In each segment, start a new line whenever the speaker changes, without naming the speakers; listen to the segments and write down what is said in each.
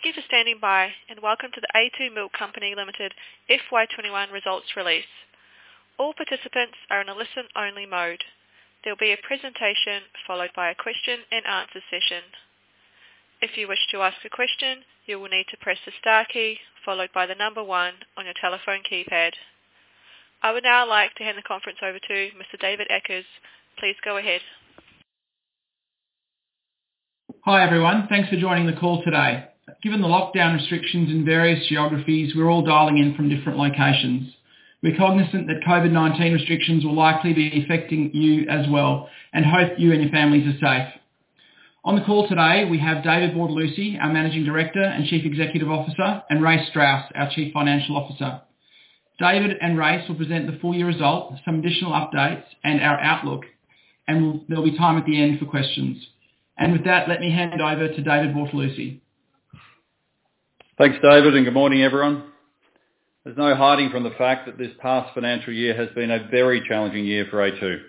Thank you for standing by, and welcome to The a2 Milk Company Limited FY 2021 results release. All participants are in a listen-only mode. There'll be a presentation followed by a question and answer session. If you wish to ask a question, you will need to press the star key followed by one on your telephone keypad. I would now like to hand the conference over to Mr. David Muscat. Please go ahead.
Hi, everyone. Thanks for joining the call today. Given the lockdown restrictions in various geographies, we're all dialing in from different locations. We're cognizant that COVID-19 restrictions will likely be affecting you as well and hope you and your families are safe. On the call today, we have David Bortolussi, our Managing Director and Chief Executive Officer, and Race Strauss, our Chief Financial Officer. David and Race will present the full year results, some additional updates, and our outlook, and there'll be time at the end for questions. With that, let me hand it over to David Bortolussi.
Thanks, David, and good morning, everyone. There's no hiding from the fact that this past financial year has been a very challenging year for a2.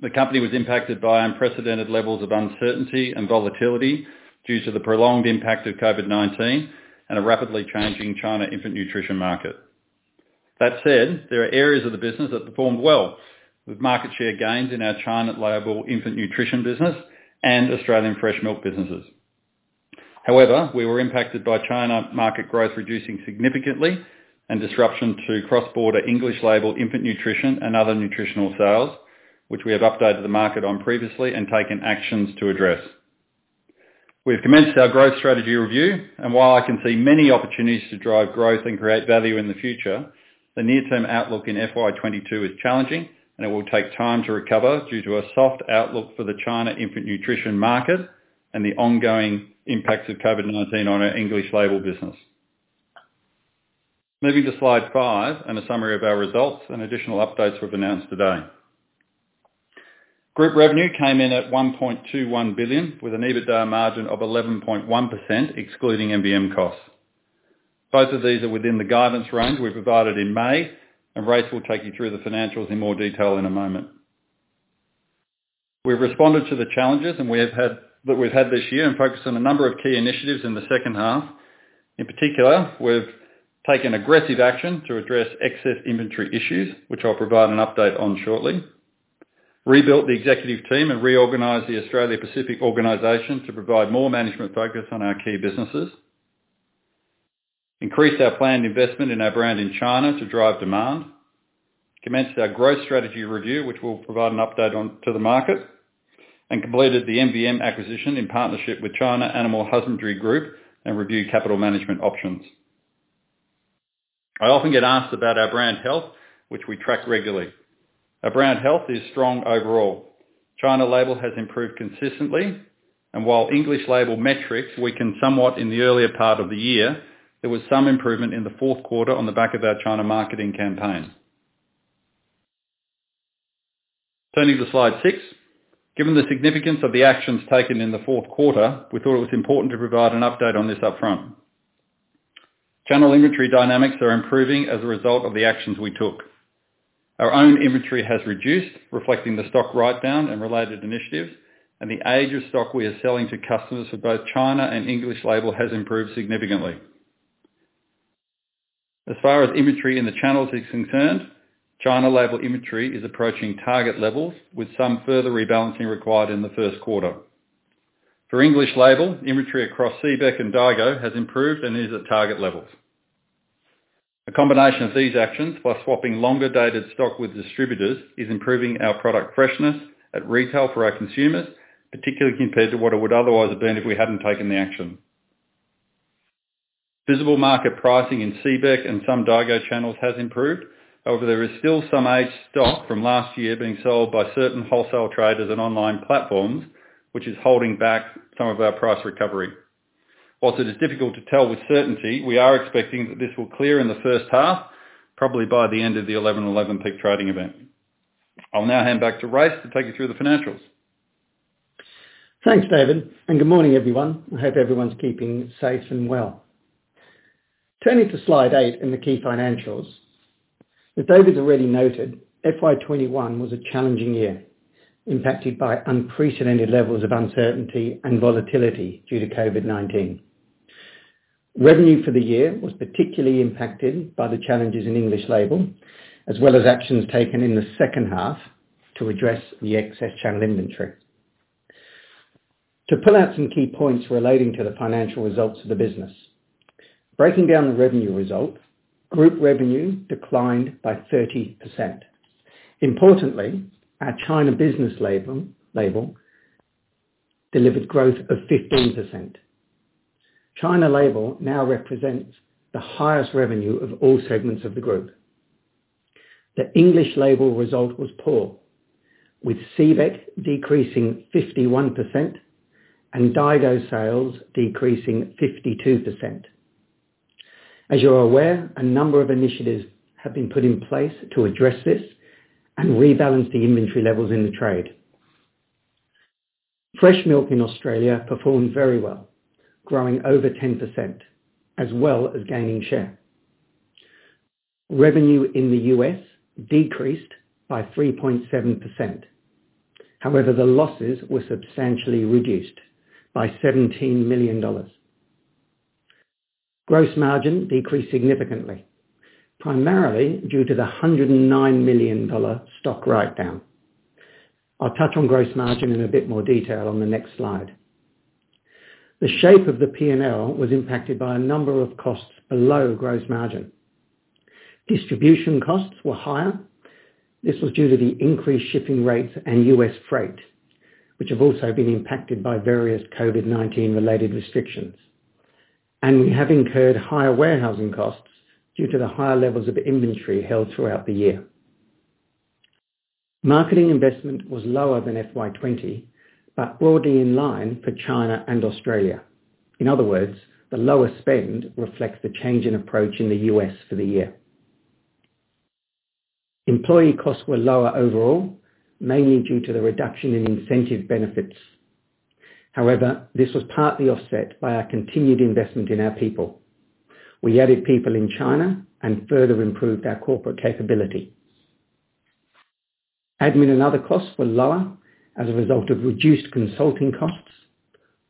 The company was impacted by unprecedented levels of uncertainty and volatility due to the prolonged impact of COVID-19 and a rapidly changing China infant nutrition market. That said, there are areas of the business that performed well, with market share gains in our China label infant nutrition business and Australian fresh milk businesses. We were impacted by China market growth reducing significantly and disruption to cross-border English label infant nutrition and other nutritional sales, which we have updated the market on previously and taken actions to address. We've commenced our growth strategy review, while I can see many opportunities to drive growth and create value in the future, the near-term outlook in FY 2022 is challenging, and it will take time to recover due to a soft outlook for the China infant nutrition market and the ongoing impacts of COVID-19 on our English label business. Moving to slide five and a summary of our results and additional updates we've announced today. Group revenue came in at 1.21 billion with an EBITDA margin of 11.1%, excluding MVM costs. Both of these are within the guidance range we provided in May, and Race will take you through the financials in more detail in a moment. We've responded to the challenges that we've had this year and focused on a number of key initiatives in the second half. In particular, we've taken aggressive action to address excess inventory issues, which I'll provide an update on shortly. Rebuilt the executive team and reorganized the Australia Pacific organization to provide more management focus on our key businesses. Increased our planned investment in our brand in China to drive demand. Commenced our growth strategy review, which we'll provide an update on to the market, and completed the MVM acquisition in partnership with China Animal Husbandry Group and reviewed capital management options. I often get asked about our brand health, which we track regularly. Our brand health is strong overall. China label has improved consistently, and while English label metrics weakened somewhat in the earlier part of the year, there was some improvement in the fourth quarter on the back of our China marketing campaign. Turning to slide six. Given the significance of the actions taken in the fourth quarter, we thought it was important to provide an update on this upfront. Channel inventory dynamics are improving as a result of the actions we took. Our own inventory has reduced, reflecting the stock write-down and related initiatives, and the age of stock we are selling to customers for both China and English label has improved significantly. As far as inventory in the channels is concerned, China label inventory is approaching target levels with some further rebalancing required in the first quarter. For English label, inventory across CBEC and Daigou has improved and is at target levels. A combination of these actions, plus swapping longer-dated stock with distributors, is improving our product freshness at retail for our consumers, particularly compared to what it would otherwise have been if we hadn't taken the action. Visible market pricing in C. CBEC and some Daigou channels has improved. There is still some aged stock from last year being sold by certain wholesale traders and online platforms, which is holding back some of our price recovery. It is difficult to tell with certainty, we are expecting that this will clear in the first half, probably by the end of the 11.11 peak trading event. I'll now hand back to Race to take you through the financials.
Thanks, David. Good morning, everyone. I hope everyone's keeping safe and well. Turning to slide eight in the key financials. As David's already noted, FY 2021 was a challenging year, impacted by unprecedented levels of uncertainty and volatility due to COVID-19. Revenue for the year was particularly impacted by the challenges in English label, as well as actions taken in the second half to address the excess channel inventory. To pull out some key points relating to the financial results of the business. Breaking down the revenue result, group revenue declined by 30%. Importantly, our China business label delivered growth of 15%. China label now represents the highest revenue of all segments of the group. The English label result was poor, with CBEC decreasing 51% and Daigou sales decreasing 52%. As you're aware, a number of initiatives have been put in place to address this and rebalance the inventory levels in the trade. Fresh milk in Australia performed very well, growing over 10%, as well as gaining share. Revenue in the U.S. decreased by 3.7%. However, the losses were substantially reduced by 17 million dollars. Gross margin decreased significantly, primarily due to the 109 million dollar stock write-down. I'll touch on gross margin in a bit more detail on the next slide. The shape of the P&L was impacted by a number of costs below gross margin. Distribution costs were higher. This was due to the increased shipping rates and U.S. freight, which have also been impacted by various COVID-19 related restrictions. We have incurred higher warehousing costs due to the higher levels of inventory held throughout the year. Marketing investment was lower than FY 2020, but broadly in line for China and Australia. In other words, the lower spend reflects the change in approach in the U.S. for the year. Employee costs were lower overall, mainly due to the reduction in incentive benefits. However, this was partly offset by our continued investment in our people. We added people in China and further improved our corporate capability. Admin and other costs were lower as a result of reduced consulting costs,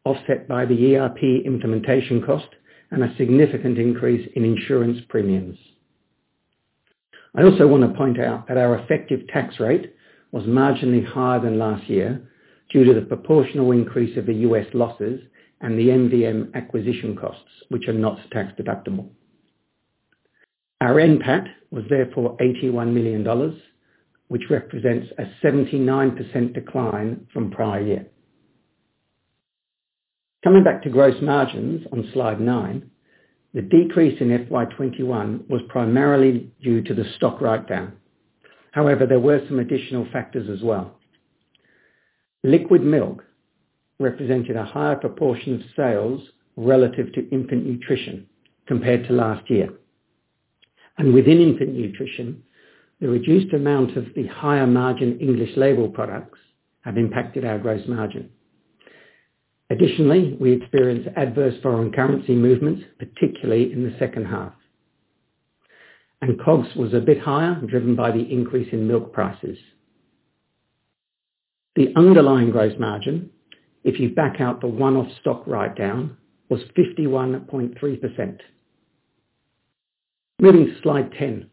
offset by the ERP implementation cost and a significant increase in insurance premiums. I also want to point out that our effective tax rate was marginally higher than last year due to the proportional increase of the U.S. losses and the MVM acquisition costs, which are not tax-deductible. Our NPAT was therefore 81 million dollars, which represents a 79% decline from prior year. Coming back to gross margins on slide nine, the decrease in FY 2021 was primarily due to the stock write-down. However, there were some additional factors as well. Liquid milk represented a higher proportion of sales relative to infant nutrition compared to last year. Within infant nutrition, the reduced amount of the higher margin English label products have impacted our gross margin. Additionally, we experienced adverse foreign currency movements, particularly in the second half. COGS was a bit higher, driven by the increase in milk prices. The underlying gross margin, if you back out the one-off stock write-down, was 51.3%. Moving to slide 10.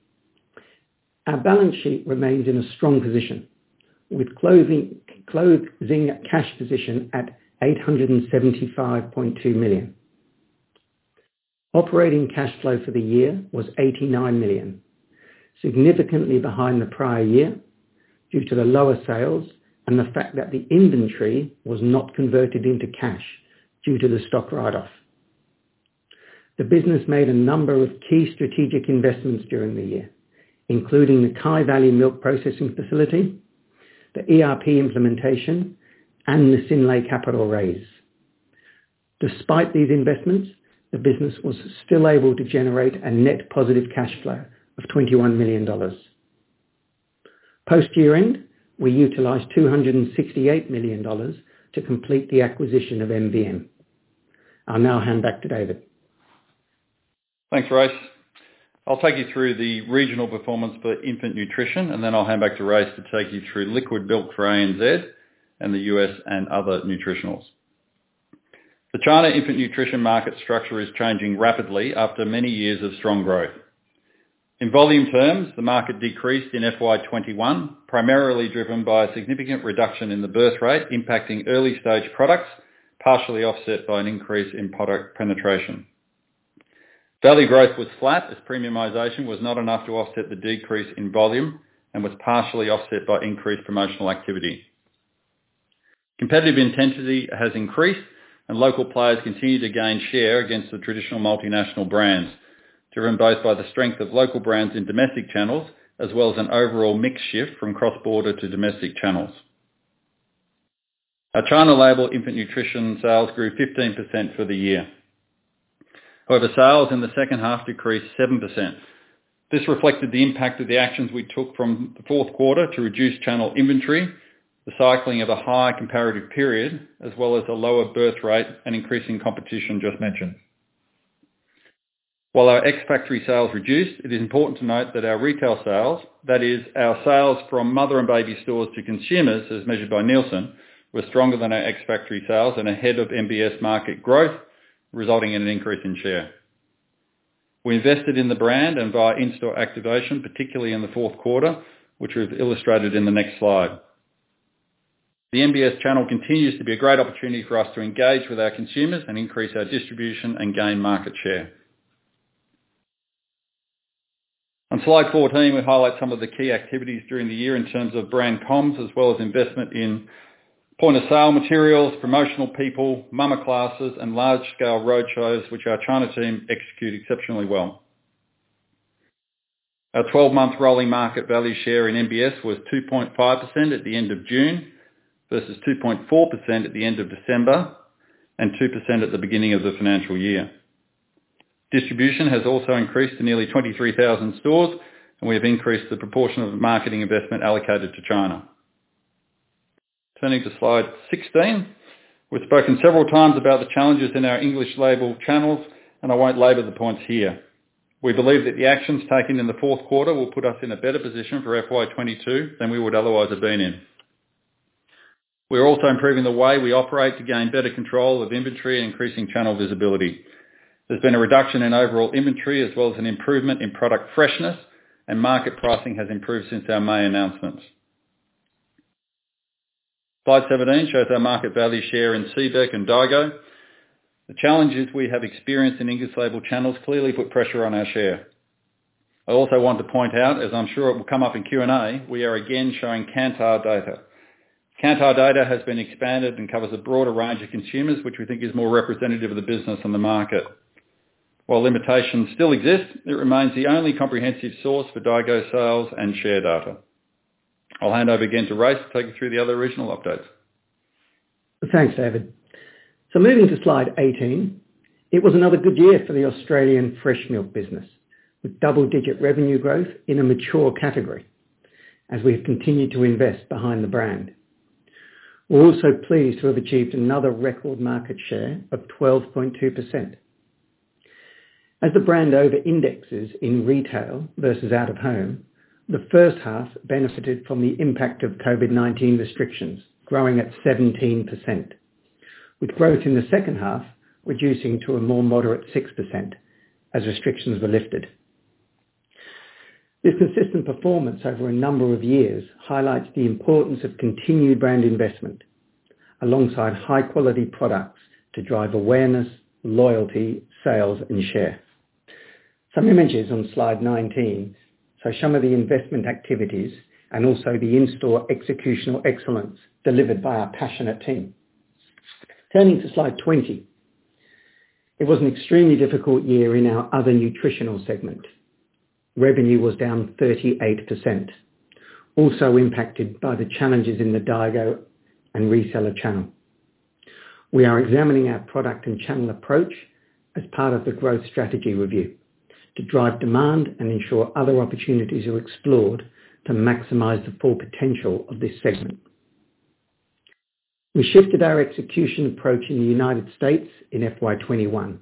Our balance sheet remains in a strong position, with closing cash position at 875.2 million. Operating cash flow for the year was 89 million, significantly behind the prior year due to the lower sales and the fact that the inventory was not converted into cash due to the stock write-off. The business made a number of key strategic investments during the year, including the Kyvalley milk processing facility, the ERP implementation, and the Synlait capital raise. Despite these investments, the business was still able to generate a net positive cash flow of 21 million dollars. Post-year-end, we utilized 268 million dollars to complete the acquisition of MVM. I'll now hand back to David.
Thanks, Race. I'll take you through the regional performance for infant nutrition, and then I'll hand back to Race to take you through liquid milk for ANZ and the U.S. and other nutritionals. The China infant nutrition market structure is changing rapidly after many years of strong growth. In volume terms, the market decreased in FY 2021, primarily driven by a significant reduction in the birth rate impacting early-stage products, partially offset by an increase in product penetration. Value growth was flat as premiumization was not enough to offset the decrease in volume and was partially offset by increased promotional activity. Competitive intensity has increased, and local players continue to gain share against the traditional multinational brands, driven both by the strength of local brands in domestic channels as well as an overall mix shift from cross-border to domestic channels. Our China label infant nutrition sales grew 15% for the year. However, sales in the second half decreased 7%. This reflected the impact of the actions we took from the fourth quarter to reduce channel inventory, the cycling of a higher comparative period, as well as the lower birth rate and increasing competition just mentioned. While our ex-factory sales reduced, it is important to note that our retail sales, that is our sales from mother and baby stores to consumers, as measured by Nielsen, were stronger than our ex-factory sales and ahead of MBS market growth, resulting in an increase in share. We invested in the brand and via in-store activation, particularly in the fourth quarter, which we've illustrated in the next slide. The MBS channel continues to be a great opportunity for us to engage with our consumers and increase our distribution and gain market share. On slide 14, we highlight some of the key activities during the year in terms of brand comms as well as investment in point-of-sale materials, promotional people, mama classes, and large-scale roadshows, which our China team execute exceptionally well. Our 12-month rolling market value share in MBS was 2.5% at the end of June, versus 2.4% at the end of December and 2% at the beginning of the financial year. Distribution has also increased to nearly 23,000 stores, and we have increased the proportion of the marketing investment allocated to China. Turning to slide 16. I won't labor the points here. We believe that the actions taken in the fourth quarter will put us in a better position for FY 2022 than we would otherwise have been in. We are also improving the way we operate to gain better control of inventory and increasing channel visibility. There's been a reduction in overall inventory as well as an improvement in product freshness, and market pricing has improved since our May announcements. Slide 17 shows our market value share in CBEC and Daigou. The challenges we have experienced in English label channels clearly put pressure on our share. I also want to point out, as I'm sure it will come up in Q&A, we are again showing Kantar data. Kantar data has been expanded and covers a broader range of consumers, which we think is more representative of the business and the market. While limitations still exist, it remains the only comprehensive source for Daigou sales and share data. I'll hand over again to Race to take you through the other regional updates.
Thanks, David. Moving to slide 18. It was another good year for the Australian fresh milk business, with double-digit revenue growth in a mature category, as we have continued to invest behind the brand. We are also pleased to have achieved another record market share of 12.2%. As the brand over-indexes in retail versus out-of-home, the first half benefited from the impact of COVID-19 restrictions, growing at 17%, with growth in the second half reducing to a more moderate 6% as restrictions were lifted. This consistent performance over a number of years highlights the importance of continued brand investment alongside high-quality products to drive awareness, loyalty, sales, and share. Some images on Slide 19 show some of the investment activities and also the in-store executional excellence delivered by our passionate team. Turning to slide 20. It was an extremely difficult year in our other nutritional segment. Revenue was down 38%, also impacted by the challenges in the Daigou and reseller channel. We are examining our product and channel approach as part of the growth strategy review to drive demand and ensure other opportunities are explored to maximize the full potential of this segment. We shifted our execution approach in the United States in FY 2021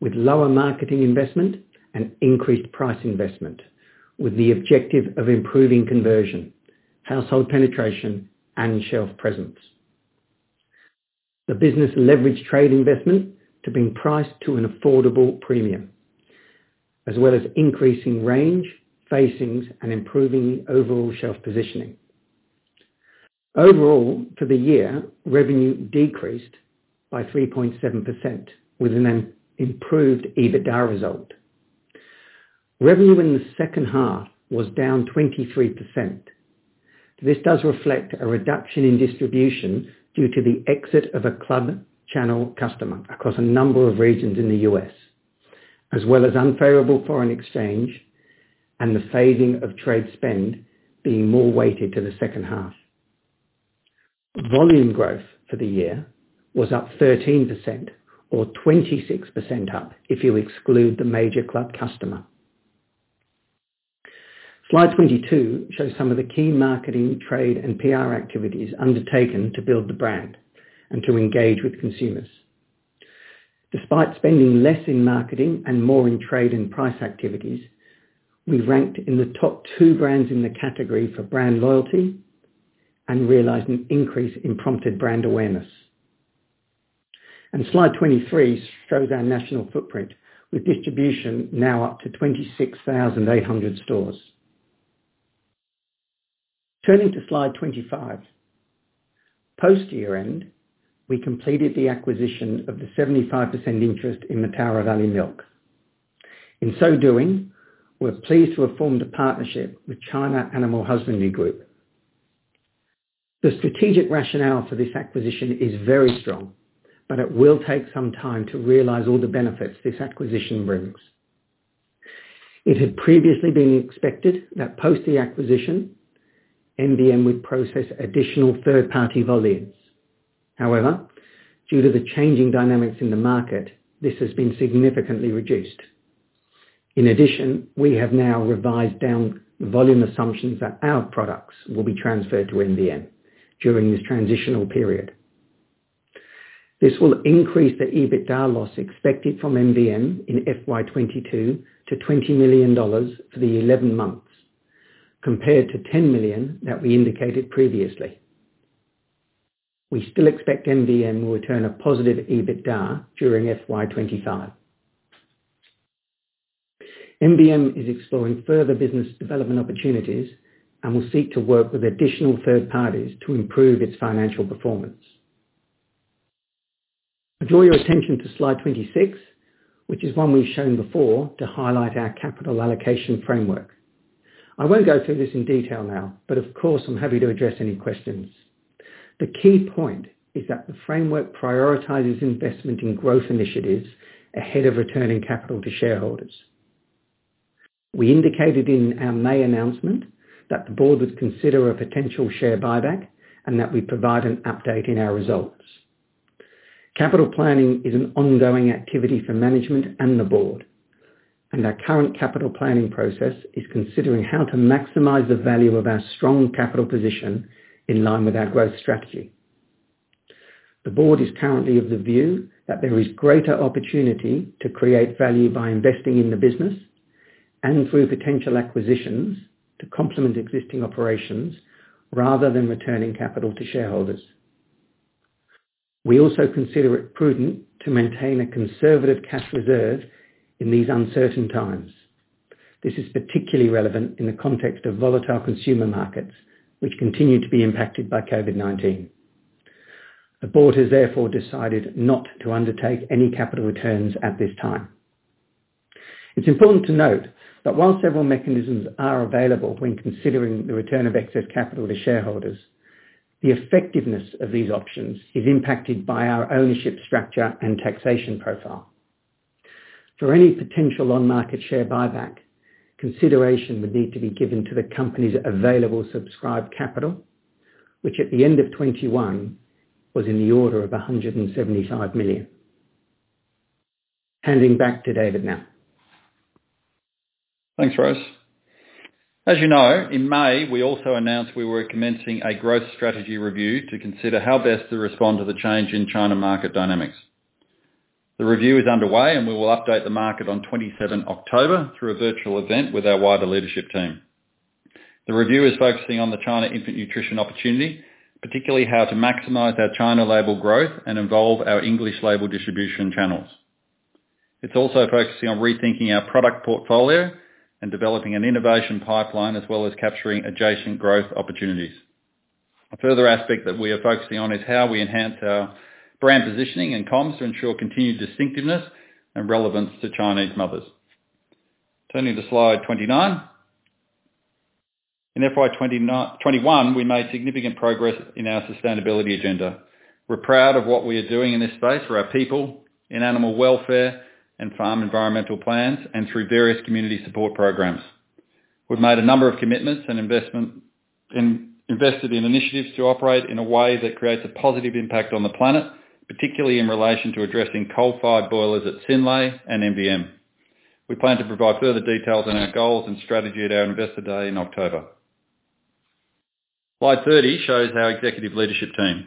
with lower marketing investment and increased price investment with the objective of improving conversion, household penetration, and shelf presence. The business leveraged trade investment to being priced to an affordable premium, as well as increasing range, facings, and improving overall shelf positioning. Overall, for the year, revenue decreased by 3.7% within an improved EBITDA result. Revenue in the second half was down 23%. This does reflect a reduction in distribution due to the exit of a club channel customer across a number of regions in the U.S., as well as unfavorable foreign exchange and the phasing of trade spend being more weighted to the second half. Volume growth for the year was up 13%, or 26% up if you exclude the major club customer. Slide 22 shows some of the key marketing, trade, and PR activities undertaken to build the brand and to engage with consumers. Despite spending less in marketing and more in trade and price activities, we ranked in the top two brands in the category for brand loyalty and realized an increase in prompted brand awareness. Slide 23 shows our national footprint with distribution now up to 26,800 stores. Turning to slide 25. Post-year-end, we completed the acquisition of the 75% interest in Mataura Valley Milk. We're pleased to have formed a partnership with China Animal Husbandry Group. The strategic rationale for this acquisition is very strong, but it will take some time to realize all the benefits this acquisition brings. It had previously been expected that post the acquisition, MVM would process additional third-party volumes. However, due to the changing dynamics in the market, this has been significantly reduced. In addition, we have now revised down the volume assumptions that our products will be transferred to MVM during this transitional period. This will increase the EBITDA loss expected from MVM in FY 2022 to 20 million dollars for the 11 months compared to 10 million that we indicated previously. We still expect MVM will return a positive EBITDA during FY 2025. MVM is exploring further business development opportunities and will seek to work with additional third parties to improve its financial performance. I draw your attention to slide 26, which is one we've shown before to highlight our capital allocation framework. I won't go through this in detail now, but of course, I'm happy to address any questions. The key point is that the framework prioritizes investment in growth initiatives ahead of returning capital to shareholders. We indicated in our May announcement that the board would consider a potential share buyback and that we'd provide an update in our results. Capital planning is an ongoing activity for management and the board, and our current capital planning process is considering how to maximize the value of our strong capital position in line with our growth strategy. The board is currently of the view that there is greater opportunity to create value by investing in the business and through potential acquisitions to complement existing operations rather than returning capital to shareholders. We also consider it prudent to maintain a conservative cash reserve in these uncertain times. This is particularly relevant in the context of volatile consumer markets, which continue to be impacted by COVID-19. The board has therefore decided not to undertake any capital returns at this time. It's important to note that while several mechanisms are available when considering the return of excess capital to shareholders, the effectiveness of these options is impacted by our ownership structure and taxation profile. For any potential on-market share buyback, consideration would need to be given to the company's available subscribed capital, which at the end of 2021 was in the order of 175 million. Handing back to David now.
Thanks, Race. As you know, in May, we also announced we were commencing a growth strategy review to consider how best to respond to the change in China market dynamics. The review is underway, and we will update the market on October 27 through a virtual event with our wider leadership team. The review is focusing on the China infant nutrition opportunity, particularly how to maximize our China label growth and evolve our English label distribution channels. It's also focusing on rethinking our product portfolio and developing an innovation pipeline, as well as capturing adjacent growth opportunities. A further aspect that we are focusing on is how we enhance our brand positioning and comms to ensure continued distinctiveness and relevance to Chinese mothers. Turning to slide 29. In FY 2021, we made significant progress in our sustainability agenda. We're proud of what we are doing in this space for our people in animal welfare and farm environmental plans and through various community support programs. We've made a number of commitments and invested in initiatives to operate in a way that creates a positive impact on the planet, particularly in relation to addressing coal-fired boilers at Synlait and MVM. We plan to provide further details on our goals and strategy at our Investor Day in October. Slide 30 shows our executive leadership team.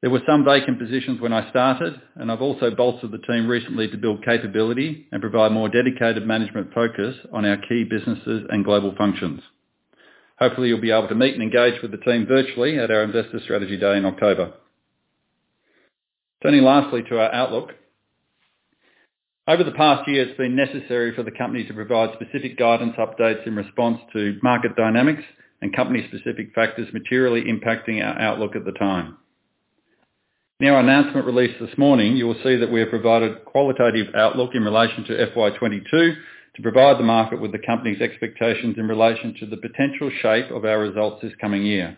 There were some vacant positions when I started, and I've also bolstered the team recently to build capability and provide more dedicated management focus on our key businesses and global functions. Hopefully, you'll be able to meet and engage with the team virtually at our Investor Strategy Day in October. Turning lastly to our outlook. Over the past year, it's been necessary for the company to provide specific guidance updates in response to market dynamics and company-specific factors materially impacting our outlook at the time. In our announcement released this morning, you will see that we have provided qualitative outlook in relation to FY 2022 to provide the market with the company's expectations in relation to the potential shape of our results this coming year.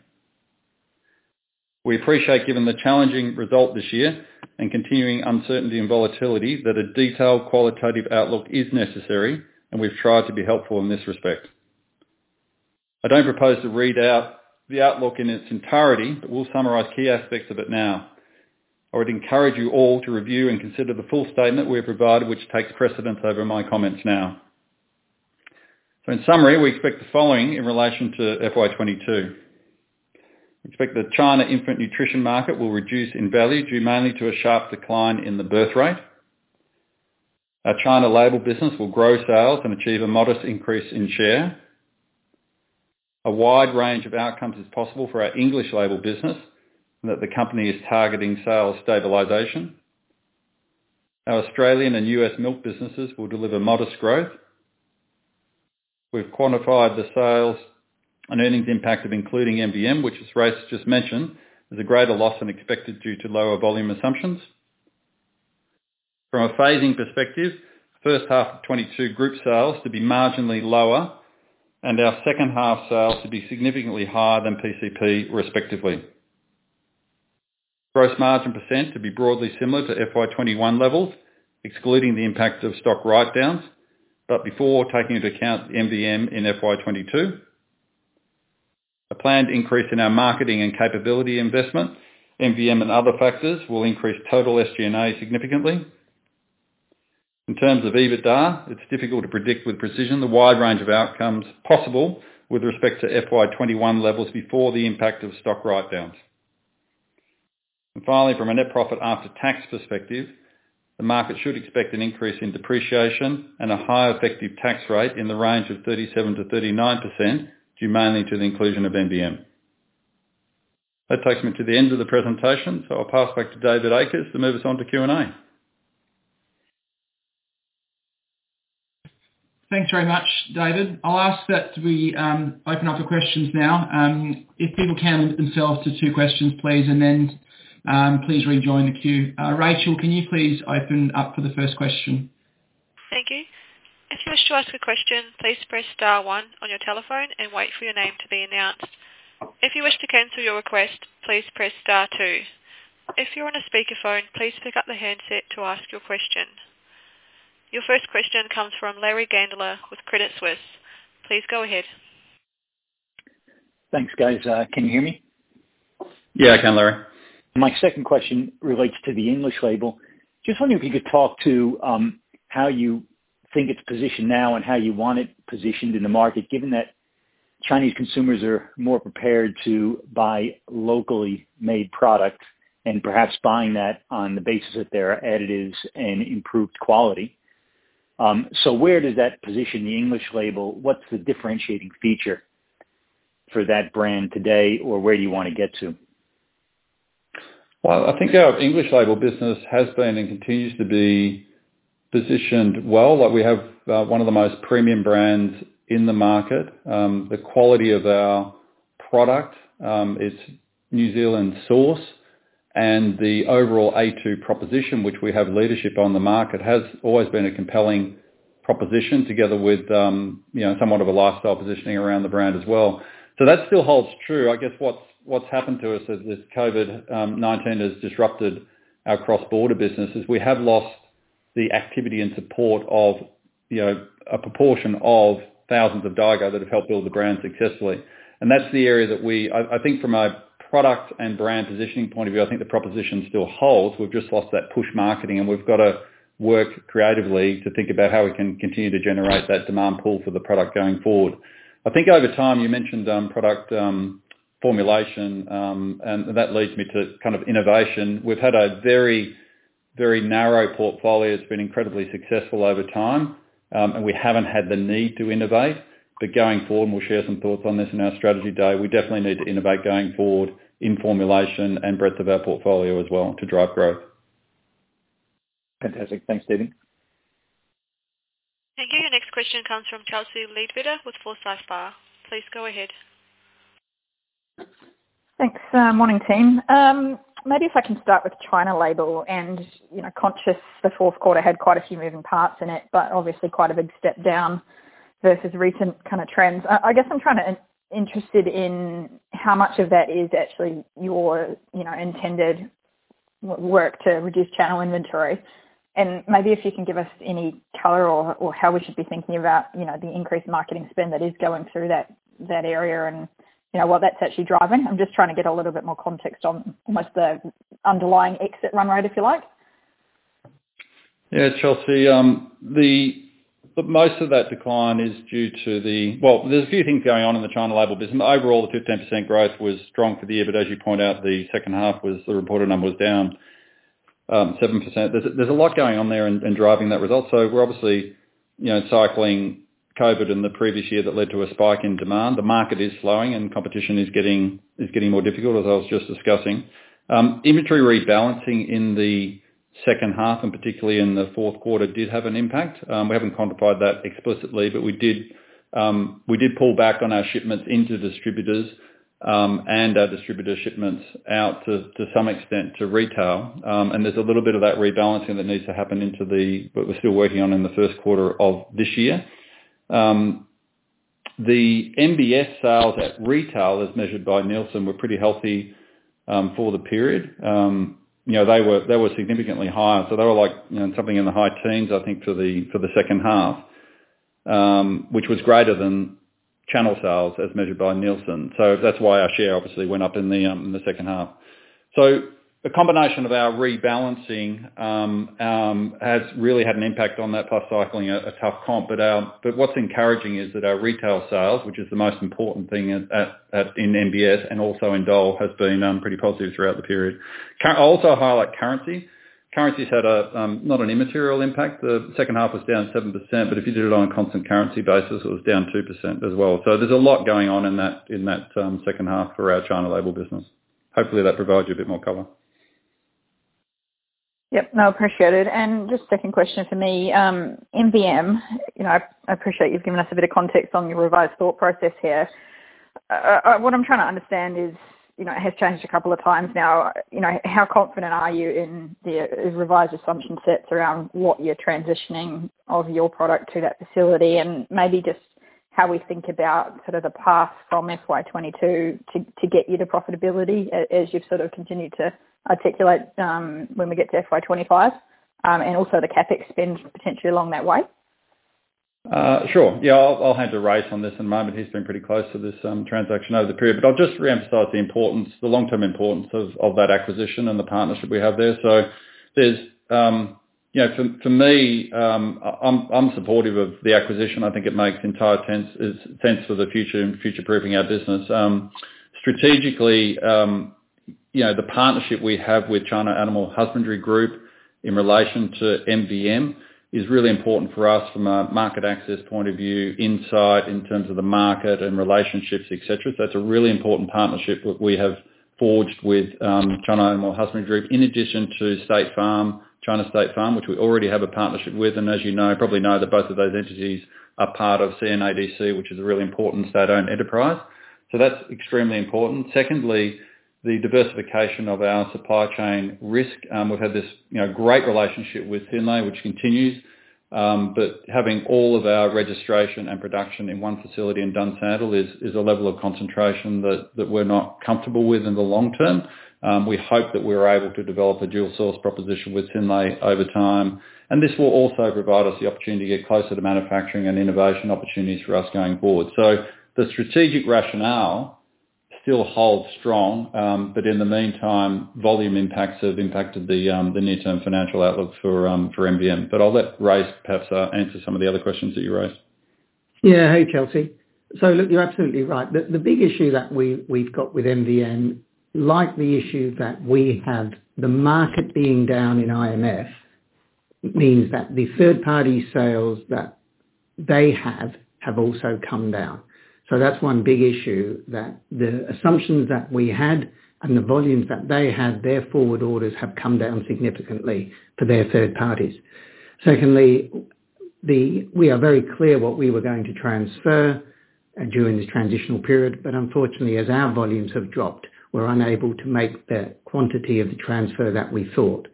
We appreciate given the challenging result this year and continuing uncertainty and volatility, that a detailed qualitative outlook is necessary, and we've tried to be helpful in this respect. I don't propose to read out the outlook in its entirety, but we'll summarize key aspects of it now. I would encourage you all to review and consider the full statement we have provided, which takes precedence over my comments now. In summary, we expect the following in relation to FY 2022. We expect the China infant nutrition market will reduce in value, due mainly to a sharp decline in the birth rate. Our China label business will grow sales and achieve a modest increase in share. A wide range of outcomes is possible for our English label business, and that the company is targeting sales stabilization. Our Australian and U.S. milk businesses will deliver modest growth. We've quantified the sales and earnings impact of including MVM, which as Race just mentioned, is a greater loss than expected due to lower volume assumptions. From a phasing perspective, first half of 2022 group sales to be marginally lower and our second half sales to be significantly higher than PCP respectively. Gross margin percent to be broadly similar to FY 2021 levels, excluding the impact of stock write-downs, but before taking into account MVM in FY 2022. A planned increase in our marketing and capability investment, MVM and other factors will increase total SG&A significantly. In terms of EBITDA, it's difficult to predict with precision the wide range of outcomes possible with respect to FY 2021 levels before the impact of stock write-downs. Finally, from a net profit after tax perspective, the market should expect an increase in depreciation and a higher effective tax rate in the range of 37%-39%, due mainly to the inclusion of MVM. That takes me to the end of the presentation, so I'll pass back to David Muscat to move us on to Q&A.
Thanks very much, David. I'll ask that we open up for questions now. If people can limit themselves to two questions, please, and then, please rejoin the queue. Rachel, can you please open up for the first question?
Thank you. If you wish to ask a question, please press star one on your telephone and wait for your name to be announced. If you wish to cancel your request, please press star two. If you're on a speakerphone, please pick up the handset to ask your question. Your first question comes from Larry Gandler with Credit Suisse. Please go ahead.
Thanks, guys. Can you hear me?
Yeah, I can, Larry.
My second question relates to the English Label. Just wondering if you could talk to how you think it's positioned now and how you want it positioned in the market, given that Chinese consumers are more prepared to buy locally made products and perhaps buying that on the basis that there are additives and improved quality? Where does that position the English Label? What's the differentiating feature for that brand today? Or where do you want to get to?
Well, I think our English Label business has been and continues to be positioned well. We have one of the most premium brands in the market. The quality of our product, its New Zealand source, and the overall a2 proposition, which we have leadership on the market, has always been a compelling proposition, together with somewhat of a lifestyle positioning around the brand as well. That still holds true. I guess what's happened to us as this COVID-19 has disrupted our cross-border business is we have lost the activity and support of a proportion of thousands of Daigou that have helped build the brand successfully. That's the area that, I think from a product and brand positioning point of view, I think the proposition still holds. We've just lost that push marketing. We've got to work creatively to think about how we can continue to generate that demand pull for the product going forward. I think over time, you mentioned product formulation, and that leads me to innovation. We've had a very narrow portfolio that's been incredibly successful over time, and we haven't had the need to innovate. Going forward, we'll share some thoughts on this in our strategy day, we definitely need to innovate going forward in formulation and breadth of our portfolio as well to drive growth.
Fantastic. Thanks, David.
Thank you. Your next question comes from Chelsea Leadbetter with Forsyth Barr. Please go ahead.
Thanks. Morning, team. Maybe if I can start with China Label and conscious the fourth quarter had quite a few moving parts in it, but obviously quite a big step down versus recent trends. I guess I'm interested in how much of that is actually your intended work to reduce channel inventory, and maybe if you can give us any color or how we should be thinking about the increased marketing spend that is going through that area and what that's actually driving. I'm just trying to get a little bit more context on almost the underlying exit run rate, if you like.
Chelsea, most of that decline is due to the Well, there's a few things going on in the China Label business. Overall, the 15% growth was strong for the year, but as you point out, the second half was, the reported number was down, 7%. There's a lot going on there and driving that result. We're obviously cycling COVID-19 in the previous year that led to a spike in demand. The market is slowing and competition is getting more difficult, as I was just discussing. Inventory rebalancing in the second half and particularly in the fourth quarter did have an impact. We haven't quantified that explicitly, but we did pull back on our shipments into distributors, and our distributor shipments out to some extent to retail. There's a little bit of that rebalancing that needs to happen, but we're still working on in the first quarter of this year. The MBS sales at retail, as measured by Nielsen, were pretty healthy for the period. They were significantly higher. They were something in the high teens, I think, for the second half, which was greater than channel sales as measured by Nielsen. That's why our share obviously went up in the second half. The combination of our rebalancing has really had an impact on that, plus cycling a tough comp. What's encouraging is that our retail sales, which is the most important thing in MBS and also in Dole, has been pretty positive throughout the period. I'll also highlight currency. Currency's had not an immaterial impact. The second half was down 7%, but if you did it on a constant currency basis, it was down 2% as well. There's a lot going on in that second half for our China Label business. Hopefully, that provides you a bit more color.
Yep. No, appreciate it. Just second question for me. MVM, I appreciate you've given us a bit of context on your revised thought process here. What I'm trying to understand is, it has changed a couple of times now. How confident are you in the revised assumption sets around what you're transitioning of your product to that facility and maybe just how we think about the path from FY 2022 to get you to profitability as you've continued to articulate, when we get to FY 2025, and also the CapEx spend potentially along that way?
I'll hand to Race on this in a moment. He's been pretty close to this transaction over the period. I'll just reemphasize the long-term importance of that acquisition and the partnership we have there. For me, I'm supportive of the acquisition. I think it makes entire sense for the future and future-proofing our business. Strategically, the partnership we have with China Animal Husbandry Group in relation to MVM is really important for us from a market access point of view, insight in terms of the market and relationships, etc. That's a really important partnership that we have forged with China Animal Husbandry Group in addition to State Farm, China State Farm, which we already have a partnership with. As you know, probably know, that both of those entities are part of CNADC, which is a really important state-owned enterprise. That's extremely important. Secondly, the diversification of our supply chain risk. We've had this great relationship with Synlait, which continues. Having all of our registration and production in one facility in Dunsandel is a level of concentration that we're not comfortable with in the long term. We hope that we're able to develop a dual source proposition with Synlait over time, this will also provide us the opportunity to get closer to manufacturing and innovation opportunities for us going forward. The strategic rationale still hold strong. In the meantime, volume impacts have impacted the near-term financial outlooks for MVM. I'll let Race perhaps answer some of the other questions that you raised.
Yeah. Hey, Chelsea. Look, you're absolutely right. The big issue that we've got with MVM, like the issue that we had, the market being down in IMF, means that the third-party sales that they had, have also come down. That's one big issue, that the assumptions that we had and the volumes that they had, their forward orders have come down significantly for their third parties. Secondly, we are very clear what we were going to transfer during the transitional period. Unfortunately, as our volumes have dropped, we're unable to make the quantity of the transfer that we thought.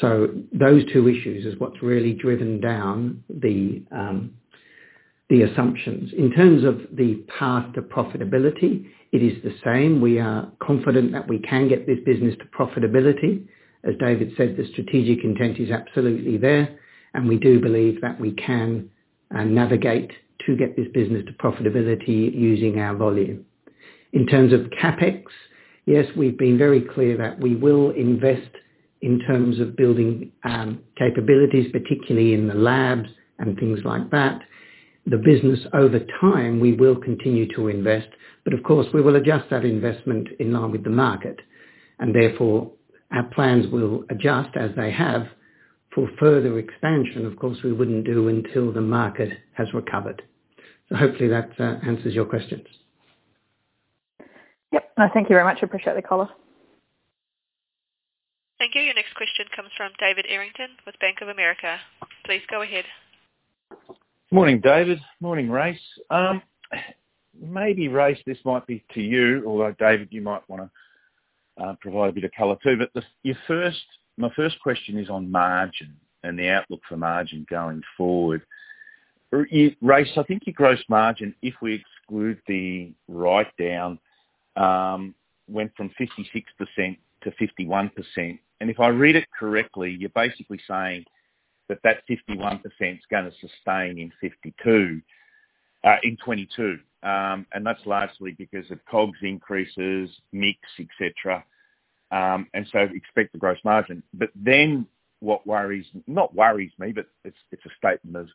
Those two issues is what's really driven down the assumptions. In terms of the path to profitability, it is the same. We are confident that we can get this business to profitability. As David said, the strategic intent is absolutely there, and we do believe that we can navigate to get this business to profitability using our volume. In terms of CapEx, yes, we've been very clear that we will invest in terms of building capabilities, particularly in the labs and things like that. The business, over time, we will continue to invest, but of course, we will adjust that investment in line with the market. Therefore, our plans will adjust as they have for further expansion. Of course, we wouldn't do until the market has recovered. Hopefully, that answers your questions.
Yep. No, thank you very much. Appreciate the call.
Thank you. Your next question comes from David Errington with Bank of America. Please go ahead.
Morning, David. Morning, Race. Maybe, Race, this might be to you, although, David, you might want to provide a bit of color, too. My first question is on margin and the outlook for margin going forward. Race, I think your gross margin, if we exclude the write-down, went from 56%-51%. If I read it correctly, you're basically saying that 51% is going to sustain in FY 2022. That's largely because of COGS increases, mix, et cetera. Expect the gross margin. What not worries me, but it's a statement of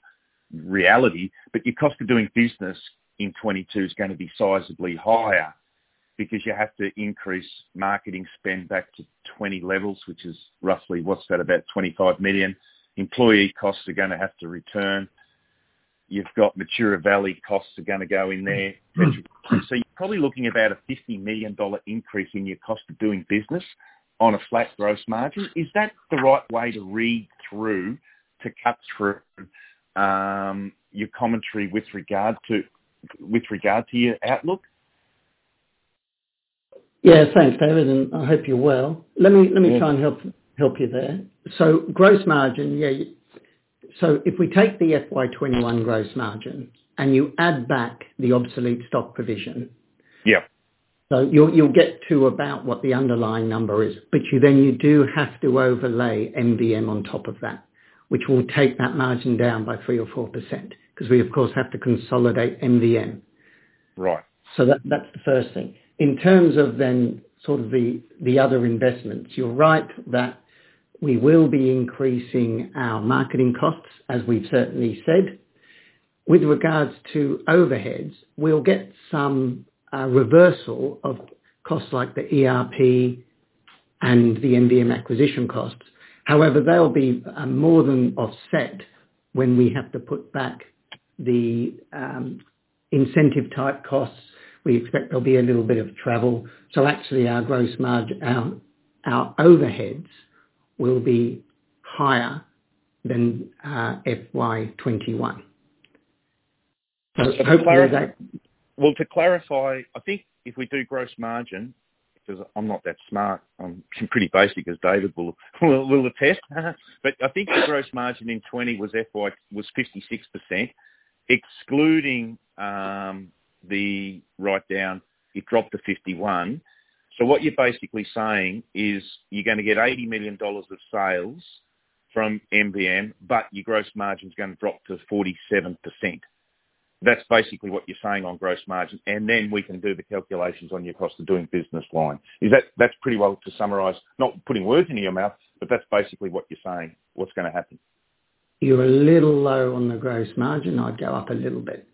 reality. Your cost of doing business in FY 2022 is gonna be sizably higher because you have to increase marketing spend back to FY 2020 levels, which is roughly, what's that? About 25 million. Employee costs are gonna have to return. You've got Mataura Valley Milk costs are gonna go in there. You're probably looking about a 50 million dollar increase in your cost of doing business on a flat gross margin. Is that the right way to read through to cut through your commentary with regard to your outlook?
Yeah. Thanks, David, and I hope you're well.
Yeah
Let me try and help you there. Gross margin, yeah. If we take the FY 2021 gross margin and you add back the obsolete stock provision.
Yeah
You'll get to about what the underlying number is, but you then you do have to overlay MVM on top of that, which will take that margin down by 3% or 4%, because we, of course, have to consolidate MVM.
Right.
That's the first thing. In terms of then sort of the other investments, you're right that we will be increasing our marketing costs, as we've certainly said. With regards to overheads, we'll get some reversal of costs like the ERP and the MVM acquisition costs. However, they'll be more than offset when we have to put back the incentive type costs. We expect there'll be a little bit of travel. Actually, our gross margin, our overheads will be higher than FY 2021.
To clarify, I think if we do gross margin, because I'm not that smart, I'm pretty basic as David will attest. I think your gross margin in FY 2020 was 56%. Excluding the write-down, it dropped to 51%. What you're basically saying is you're gonna get 80 million dollars of sales from MVM, but your gross margin is gonna drop to 47%. That's basically what you're saying on gross margin, we can do the calculations on your cost of doing business line. That's pretty well to summarize, not putting words in your mouth, that's basically what you're saying, what's gonna happen.
You're a little low on the gross margin. I'd go up a little bit.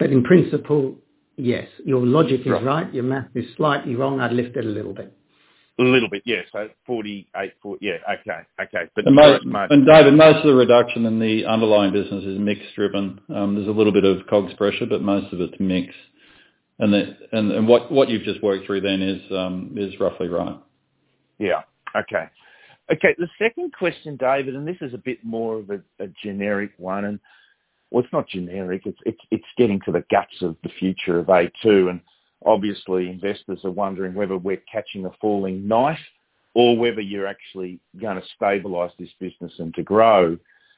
In principle, yes, your logic is right.
Right.
Your math is slightly wrong. I'd lift it a little bit.
A little bit, yeah. 48% point Yeah, okay. The gross margin-
David, most of the reduction in the underlying business is mix-driven. There's a little bit of COGS pressure, but most of it's mix. What you've just worked through then is roughly right.
Yeah. Okay. The second question, David. This is a bit more of a generic one. Well, it's not generic. It's getting to the guts of the future of a2. Obviously, investors are wondering whether we're catching a falling knife or whether you're actually going to stabilize this business and to grow.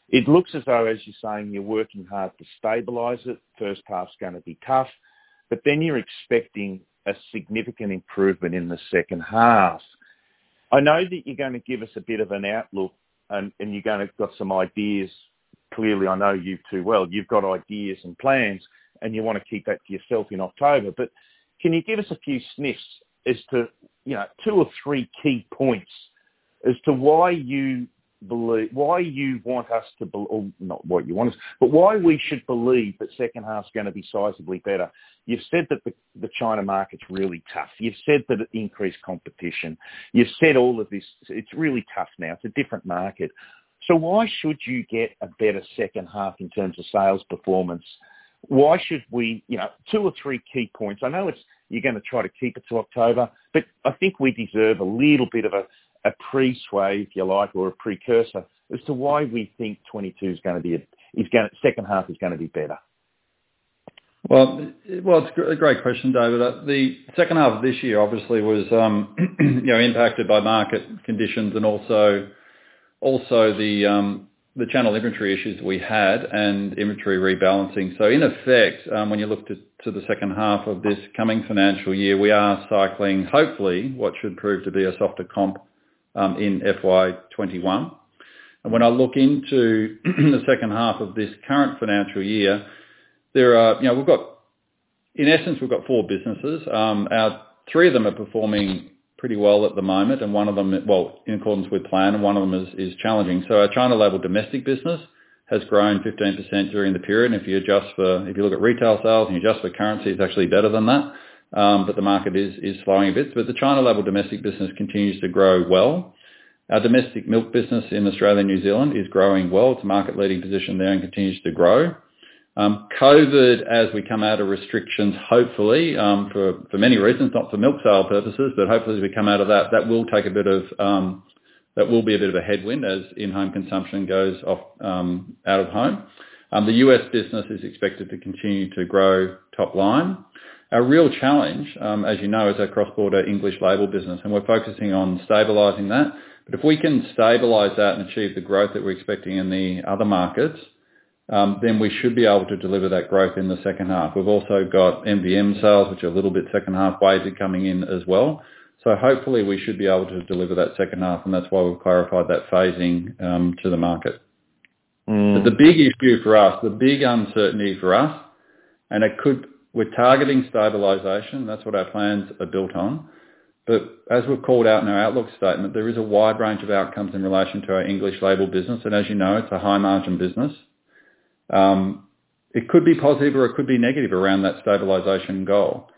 It looks as though, as you're saying, you're working hard to stabilize it. First half's going to be tough, but then you're expecting a significant improvement in the second half. I know that you're going to give us a bit of an outlook and you're going to have got some ideas. Clearly, I know you too well. You've got ideas and plans, and you want to keep that to yourself in October. Can you give us a few sniffs, two or three key points as to why we should believe that second half is going to be sizably better? You've said that the China market is really tough. You've said that it increased competition. You've said all of this. It's really tough now. It's a different market. Why should you get a better second half in terms of sales performance? Why should we? Two or three key points. I know you're going to try to keep it to October, but I think we deserve a little bit of a presway, if you like, or a precursor as to why we think 2022 second half is going to be better.
Well, it's a great question, David. The second half of this year obviously was impacted by market conditions and also the general inventory issues we had and inventory rebalancing. In effect, when you look to the second half of this coming financial year, we are cycling, hopefully, what should prove to be a softer comp in FY 2021. When I look into the second half of this current financial year, in essence, we've got four businesses. Three of them are performing pretty well at the moment, and one of them, well, in accordance with plan, and one of them is challenging. Our China label domestic business has grown 15% during the period. If you look at retail sales and you adjust for currency, it's actually better than that. The market is slowing a bit. The China label domestic business continues to grow well. Our domestic milk business in Australia and New Zealand is growing well. It's a market-leading position there and continues to grow. COVID, as we come out of restrictions, hopefully, for many reasons, not for milk sale purposes, but hopefully as we come out of that will be a bit of a headwind as in-home consumption goes out of home. The U.S. business is expected to continue to grow top line. Our real challenge, as you know, is our cross-border English label business. We're focusing on stabilizing that. If we can stabilize that and achieve the growth that we're expecting in the other markets, then we should be able to deliver that growth in the second half. We've also got MVM sales, which are a little bit second half weighted coming in as well. Hopefully we should be able to deliver that second half, and that's why we've clarified that phasing to the market. The big issue for us, the big uncertainty for us, and we're targeting stabilization. That's what our plans are built on. As we've called out in our outlook statement, there is a wide range of outcomes in relation to our English label business. As you know, it's a high margin business. It could be positive or it could be negative around that stabilization goal.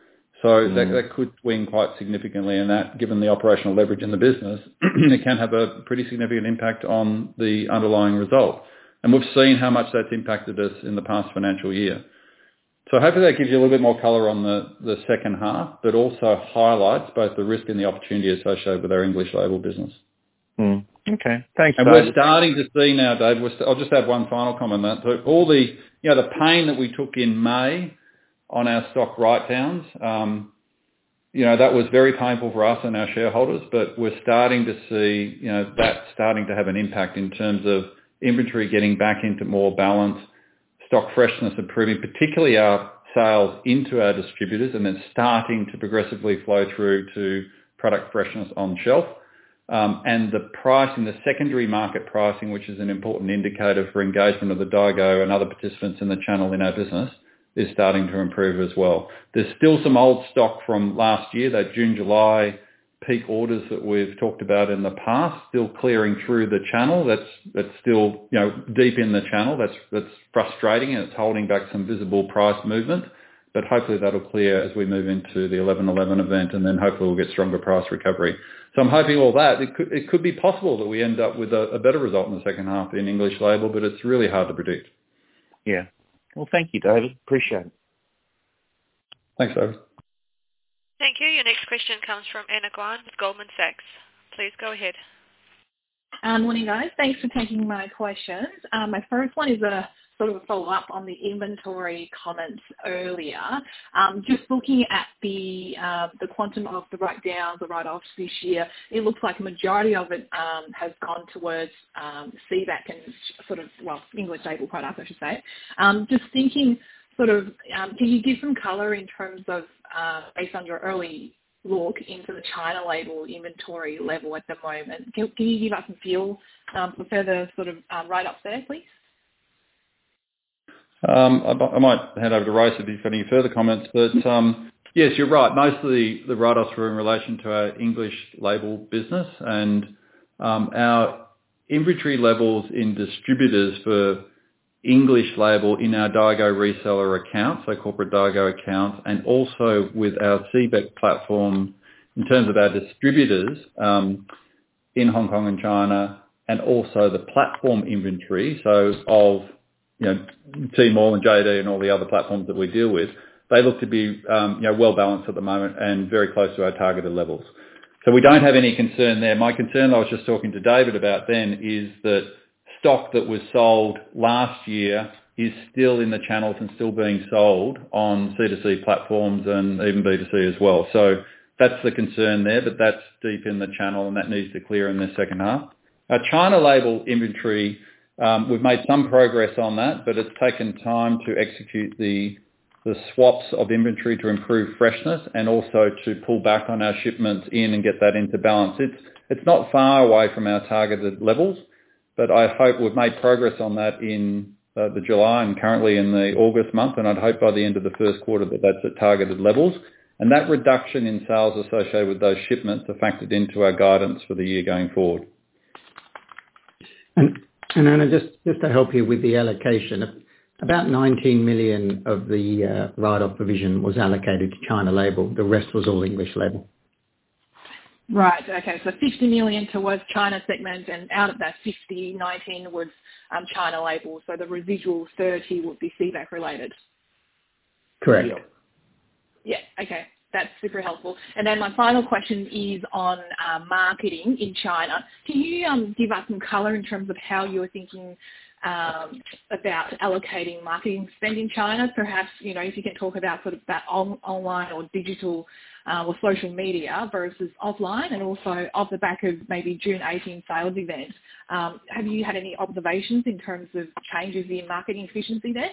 That could swing quite significantly in that, given the operational leverage in the business, it can have a pretty significant impact on the underlying result. We've seen how much that's impacted us in the past financial year. Hopefully that gives you a little bit more color on the second half, but also highlights both the risk and the opportunity associated with our English label business.
Okay. Thanks, David.
We're starting to see now, David. I'll just have one final comment on that. The pain that we took in May on our stock write-downs, that was very painful for us and our shareholders. We're starting to see that starting to have an impact in terms of inventory getting back into more balance, stock freshness improving, particularly our sales into our distributors, then starting to progressively flow through to product freshness on shelf. The price and the secondary market pricing, which is an important indicator for engagement of the Daigou and other participants in the channel in our business, is starting to improve as well. There's still some old stock from last year, that June, July peak orders that we've talked about in the past, still clearing through the channel. That's still deep in the channel. That's frustrating, and it's holding back some visible price movement. Hopefully that'll clear as we move into the 11.11 event, then hopefully we'll get stronger price recovery. I'm hoping all that. It could be possible that we end up with a better result in the second half in English label, but it's really hard to predict.
Yeah. Well, thank you, David. Appreciate it.
Thanks, David.
Thank you. Your next question comes from Anna Guan with Goldman Sachs. Please go ahead.
Morning, guys. Thanks for taking my questions. My first one is a sort of a follow-up on the inventory comments earlier. Just looking at the quantum of the write-downs, the write-offs this year, it looks like a majority of it has gone towards CBEC and English label products, I should say. Just thinking, can you give some color in terms of, based on your early look into the China label inventory level at the moment? Can you give us a feel for further write-offs there, please?
I might hand over to Race if you've got any further comments. Yes, you're right. Most of the write-offs were in relation to our English label business and our inventory levels in distributors for English label in our Daigou reseller accounts, corporate Daigou accounts, and also with our CBEC platform in terms of our distributors in Hong Kong and China and also the platform inventory. Of Tmall and JD.com and all the other platforms that we deal with, they look to be well balanced at the moment and very close to our targeted levels. We don't have any concern there. My concern I was just talking to David about then is that stock that was sold last year is still in the channels and still being sold on C2C platforms and even B2C as well. That's the concern there. That's deep in the channel, and that needs to clear in this second half. Our China label inventory, we've made some progress on that, but it's taken time to execute the swaps of inventory to improve freshness and also to pull back on our shipments in and get that into balance. It's not far away from our targeted levels, but I hope we've made progress on that in the July and currently in the August month, and I'd hope by the end of the first quarter that that's at targeted levels. That reduction in sales associated with those shipments are factored into our guidance for the year going forward.
Anna, just to help you with the allocation, about 19 million of the write-off provision was allocated to China label, the rest was all English label.
Right. Okay. 50 million towards China segment, and out of that 50, 19 was China label, the residual 30 would be CBEC related.
Correct.
Yeah. Okay. That's super helpful. My final question is on marketing in China. Can you give us some color in terms of how you are thinking about allocating marketing spend in China? Perhaps, if you can talk about sort of that online or digital, or social media versus offline, and also off the back of maybe June 2018 sales event, have you had any observations in terms of changes in marketing efficiency there?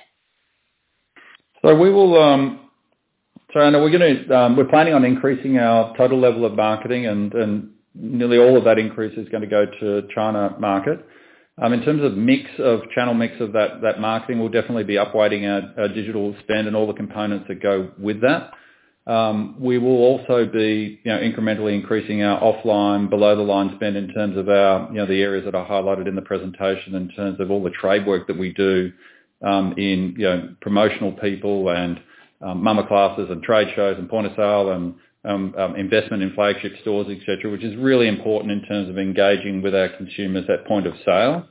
Anna, we're planning on increasing our total level of marketing and nearly all of that increase is going to go to China market. In terms of channel mix of that marketing, we'll definitely be upweighting our digital spend and all the components that go with that. We will also be incrementally increasing our offline below-the-line spend in terms of the areas that I highlighted in the presentation in terms of all the trade work that we do in promotional people and mama classes and trade shows and point of sale and investment in flagship stores, et cetera, which is really important in terms of engaging with our consumers at point of sale.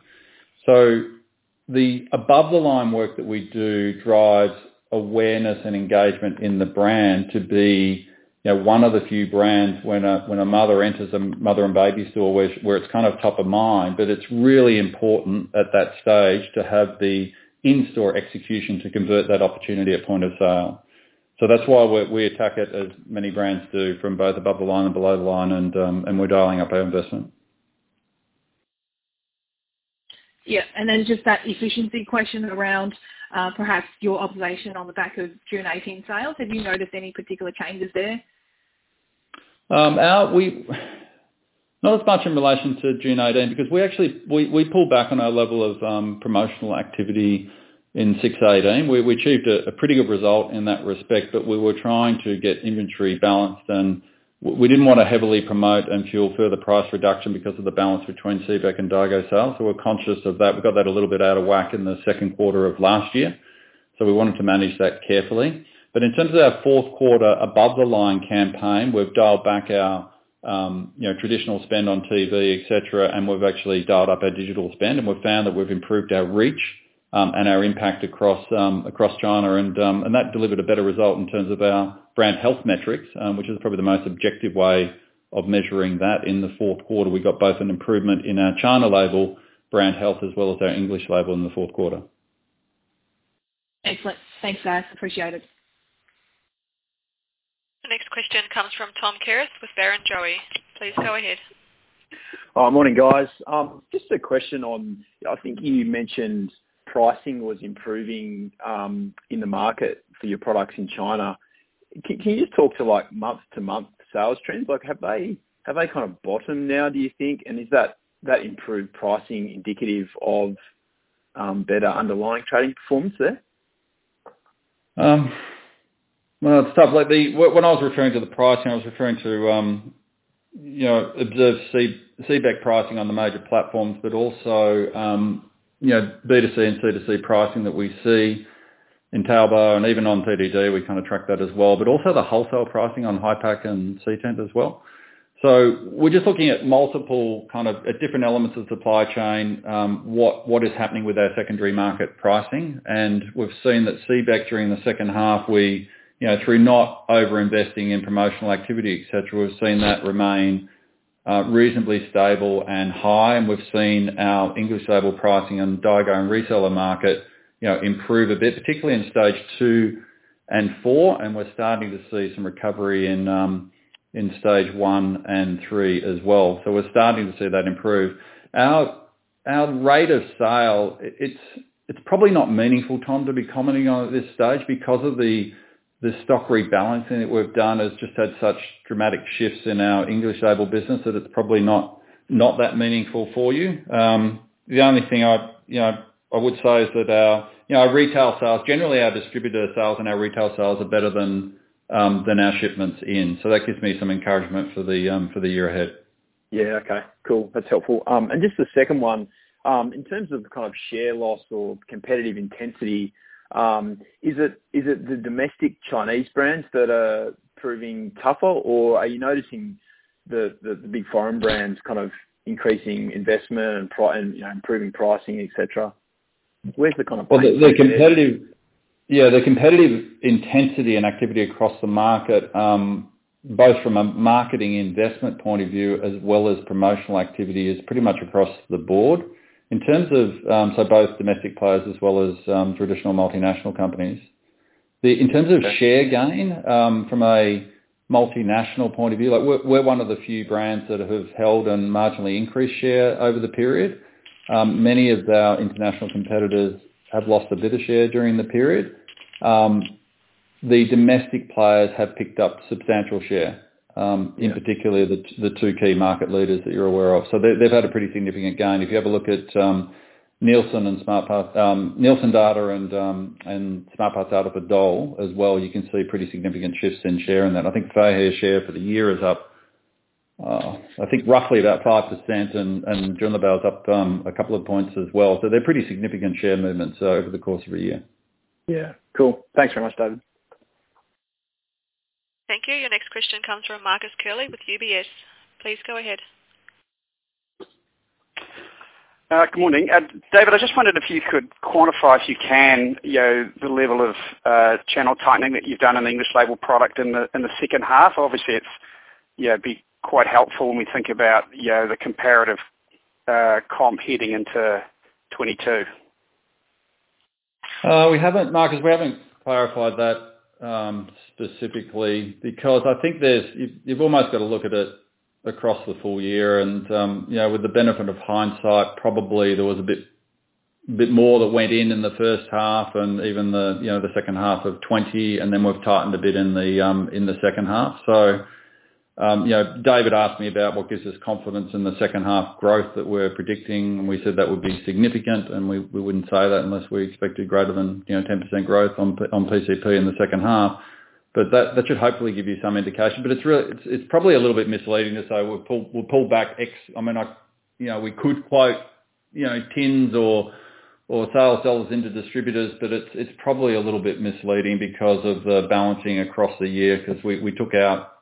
The above-the-line work that we do drives awareness and engagement in the brand to be one of the few brands when a mother enters a mother and baby store, where it's kind of top of mind, but it's really important at that stage to have the in-store execution to convert that opportunity at point of sale. That's why we attack it as many brands do from both above the line and below the line and we're dialing up our investment.
Yeah. Then just that efficiency question around, perhaps your observation on the back of June 2018 sales, have you noticed any particular changes there?
Not as much in relation to June 2018. We pulled back on our level of promotional activity in 618. We achieved a pretty good result in that respect. We were trying to get inventory balanced and we didn't want to heavily promote and fuel further price reduction because of the balance between CBEC and Daigou sales. We're conscious of that. We got that a little bit out of whack in the second quarter of last year. We wanted to manage that carefully. In terms of our fourth quarter above-the-line campaign, we've dialed back our traditional spend on TV, etc, and we've actually dialed up our digital spend and we've found that we've improved our reach and our impact across China. That delivered a better result in terms of our brand health metrics, which is probably the most objective way of measuring that in the fourth quarter. We got both an improvement in our China label brand health as well as our English label in the fourth quarter.
Excellent. Thanks, guys. Appreciate it.
The next question comes from Tom Kierath with Barrenjoey. Please go ahead.
Morning, guys. Just a question on, I think you mentioned pricing was improving in the market for your products in China. Can you just talk to month-to-month sales trends? Have they kind of bottomed now, do you think? Is that improved pricing indicative of better underlying trading performance there?
When I was referring to the pricing, I was referring to observed CBEC pricing on the major platforms, but also B2C and C2C pricing that we see in Taobao and even on PDD, we kind of track that as well, but also the wholesale pricing on Hipac and CTEND as well. We're just looking at multiple kind of different elements of supply chain, what is happening with our secondary market pricing. We've seen that CBEC during the second half, through not over-investing in promotional activity, et cetera, we've seen that remain reasonably stable and high. We've seen our English label pricing and Daigou and reseller market improve a bit, particularly in stage two and four. We're starting to see some recovery in stage one and three as well. We're starting to see that improve. Our rate of sale, it is probably not meaningful, Tom, to be commenting on at this stage because of the stock rebalancing that we have done has just had such dramatic shifts in our English label business that it is probably not that meaningful for you. The only thing I would say is that our retail sales, generally our distributor sales and our retail sales are better than our shipments in. That gives me some encouragement for the year ahead.
Yeah. Okay. Cool. That's helpful. Just the second one, in terms of kind of share loss or competitive intensity, is it the domestic Chinese brands that are proving tougher or are you noticing the big foreign brands kind of increasing investment and improving pricing, etc? Where's the?
Yeah, the competitive intensity and activity across the market, both from a marketing investment point of view as well as promotional activity is pretty much across the board. Both domestic players as well as traditional multinational companies. In terms of share gain, from a multinational point of view. We're one of the few brands that have held and marginally increased share over the period. Many of our international competitors have lost a bit of share during the period. The domestic players have picked up substantial share.
Yeah.
In particular, the two key market leaders that you're aware of. They've had a pretty significant gain. If you have a look at Nielsen data and SmartPath data for Dole as well, you can see pretty significant shifts in share in that. Feihe's share for the year is up roughly about 5%, and Junlebao's up a couple of points as well. They're pretty significant share movements over the course of a year.
Yeah. Cool. Thanks very much, David.
Thank you. Your next question comes from Marcus Curley with UBS. Please go ahead.
Good morning. David, I just wondered if you could quantify, if you can, the level of channel tightening that you've done on the English Label product in the second half. Obviously, it'd be quite helpful when we think about the comparative comp heading into FY 2022?
Marcus, we haven't clarified that specifically because I think you've almost got to look at it across the full year. With the benefit of hindsight, probably there was a bit more that went in in the first half and even the second half of 2020, and then we've tightened a bit in the second half. David asked me about what gives us confidence in the second half growth that we're predicting, and we said that would be significant, and we wouldn't say that unless we expected greater than 10% growth on PCP in the second half. That should hopefully give you some indication. It's probably a little bit misleading to say we'll pull back X. We could quote tins or sell-ins into distributors, but it's probably a little bit misleading because of the balancing across the year, because we took out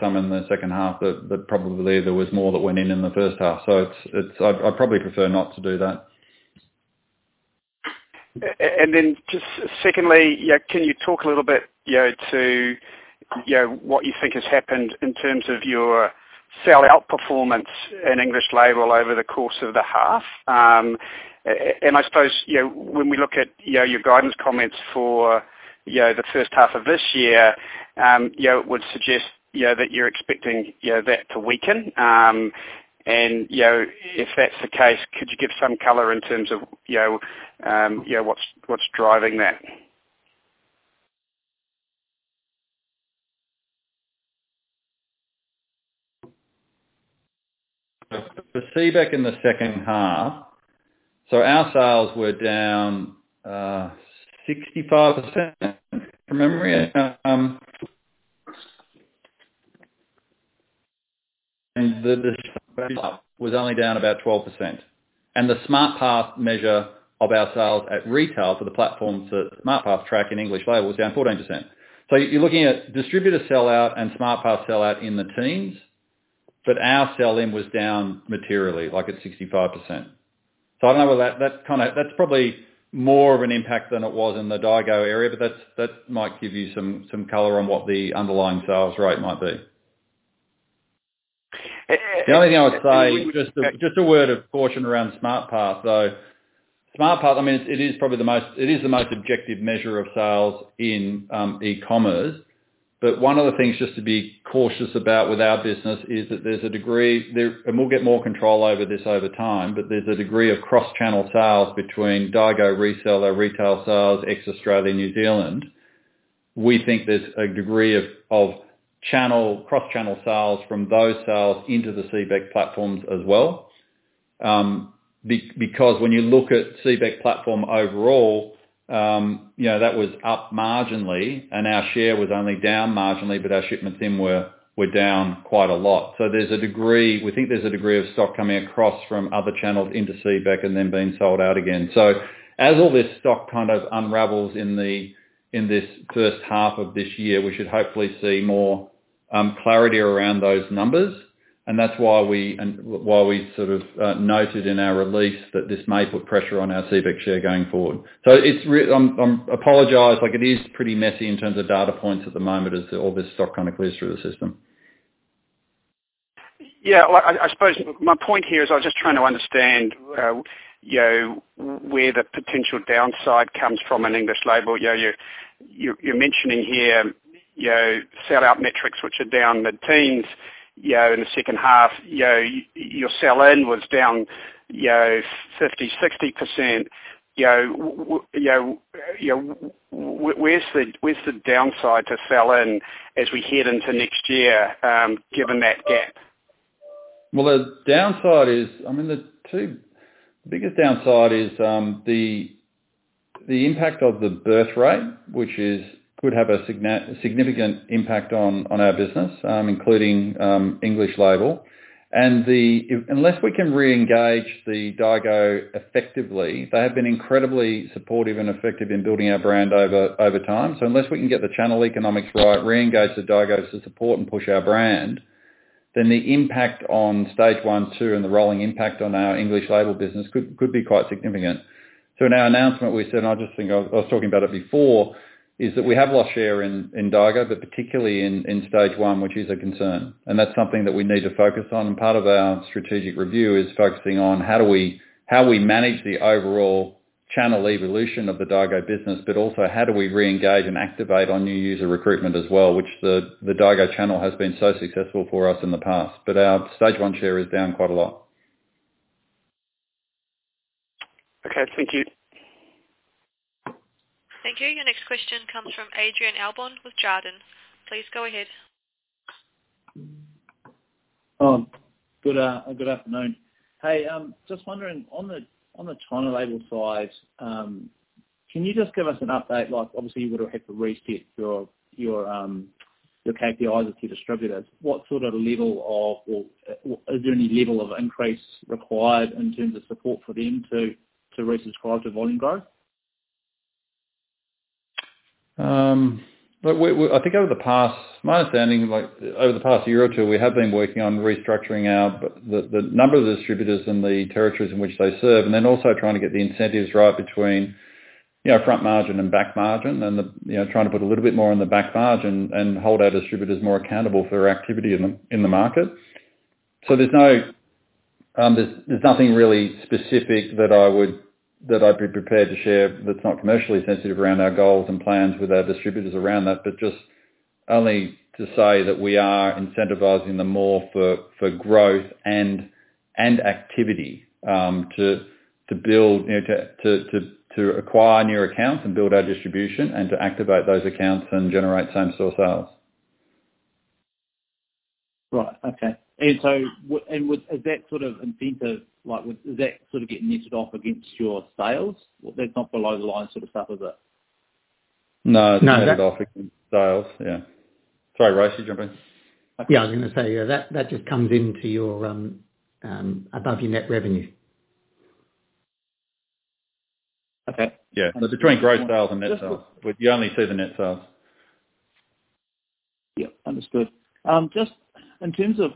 some in the second half that probably there was more that went in in the first half. I'd probably prefer not to do that.
Just secondly, can you talk a little bit to what you think has happened in terms of your sellout performance in English label over the course of the half? I suppose, when we look at your guidance comments for the first half of this year, would suggest that you're expecting that to weaken. If that's the case, could you give some color in terms of what's driving that?
The CBEC in the second half. Our sales were down 65%. From memory, was only down about 12%. The SmartPath measure of our sales at retail for the platforms that SmartPath track in English label was down 14%. You're looking at distributor sell-out and SmartPath sell-out in the teens, but our sell-in was down materially, like at 65%. I don't know whether that's probably more of an impact than it was in the Daigou area, but that might give you some color on what the underlying sales rate might be. The only thing I would say, just a word of caution around SmartPath, though. SmartPath, it is the most objective measure of sales in e-commerce. One of the things just to be cautious about with our business is that there's a degree, and we'll get more control over this over time, but there's a degree of cross-channel sales between Daigou reseller, retail sales, ex-Australia, New Zealand. We think there's a degree of cross-channel sales from those sales into the CBEC platforms as well. When you look at CBEC platform overall, that was up marginally and our share was only down marginally, but our shipments then were down quite a lot. We think there's a degree of stock coming across from other channels into CBEC and then being sold out again. As all this stock unravels in this first half of this year, we should hopefully see more clarity around those numbers. That's why we noted in our release that this may put pressure on our CBEC share going forward. I apologize, it is pretty messy in terms of data points at the moment as all this stock clears through the system.
Yeah. I suppose my point here is I was just trying to understand where the potential downside comes from in English Label. You are mentioning here sell-out metrics which are down the teens in the second half. Your sell-in was down 50%-60%. Where is the downside to sell-in as we head into next year, given that gap?
Well, the downside is, the two biggest downside is the impact of the birth rate, which could have a significant impact on our business, including English label. Unless we can reengage the Daigou effectively, they have been incredibly supportive and effective in building our brand over time. Unless we can get the channel economics right, reengage the Daigou to support and push our brand, then the impact on stage one, two, and the rolling impact on our English Label business could be quite significant. In our announcement, we said, I was talking about it before, is that we have lost share in Daigou, but particularly in stage one, which is a concern. That's something that we need to focus on. Part of our strategic review is focusing on how we manage the overall channel evolution of the Daigou business, but also how do we reengage and activate on new user recruitment as well, which the Daigou channel has been so successful for us in the past. Our stage one share is down quite a lot.
Okay. Thank you.
Thank you. Your next question comes from Adrian Allbon with Jarden. Please go ahead.
Good afternoon. Hey, just wondering on the China label side, can you just give us an update? Obviously, you would've had to reset your KPIs with your distributors. Is there any level of increase required in terms of support for them to resubscribe to volume growth?
My understanding, over the past year or two, we have been working on restructuring the number of distributors and the territories in which they serve, and then also trying to get the incentives right between front margin and back margin and then trying to put a little bit more on the back margin and hold our distributors more accountable for their activity in the market. There's nothing really specific that I'd be prepared to share that's not commercially sensitive around our goals and plans with our distributors around that. Just only to say that we are incentivizing them more for growth and activity, to acquire new accounts and build our distribution and to activate those accounts and generate same store sales.
Right. Okay. Is that incentive getting netted off against your sales? That is not below the line sort of stuff, is it?
No.
No.
It's netted off against sales. Yeah. Sorry, Race, you jump in.
Yeah, I was going to say, that just comes into above your net revenue.
Okay.
Yeah. Between growth sales and net sales. You only see the net sales.
Yep. Understood. Just in terms of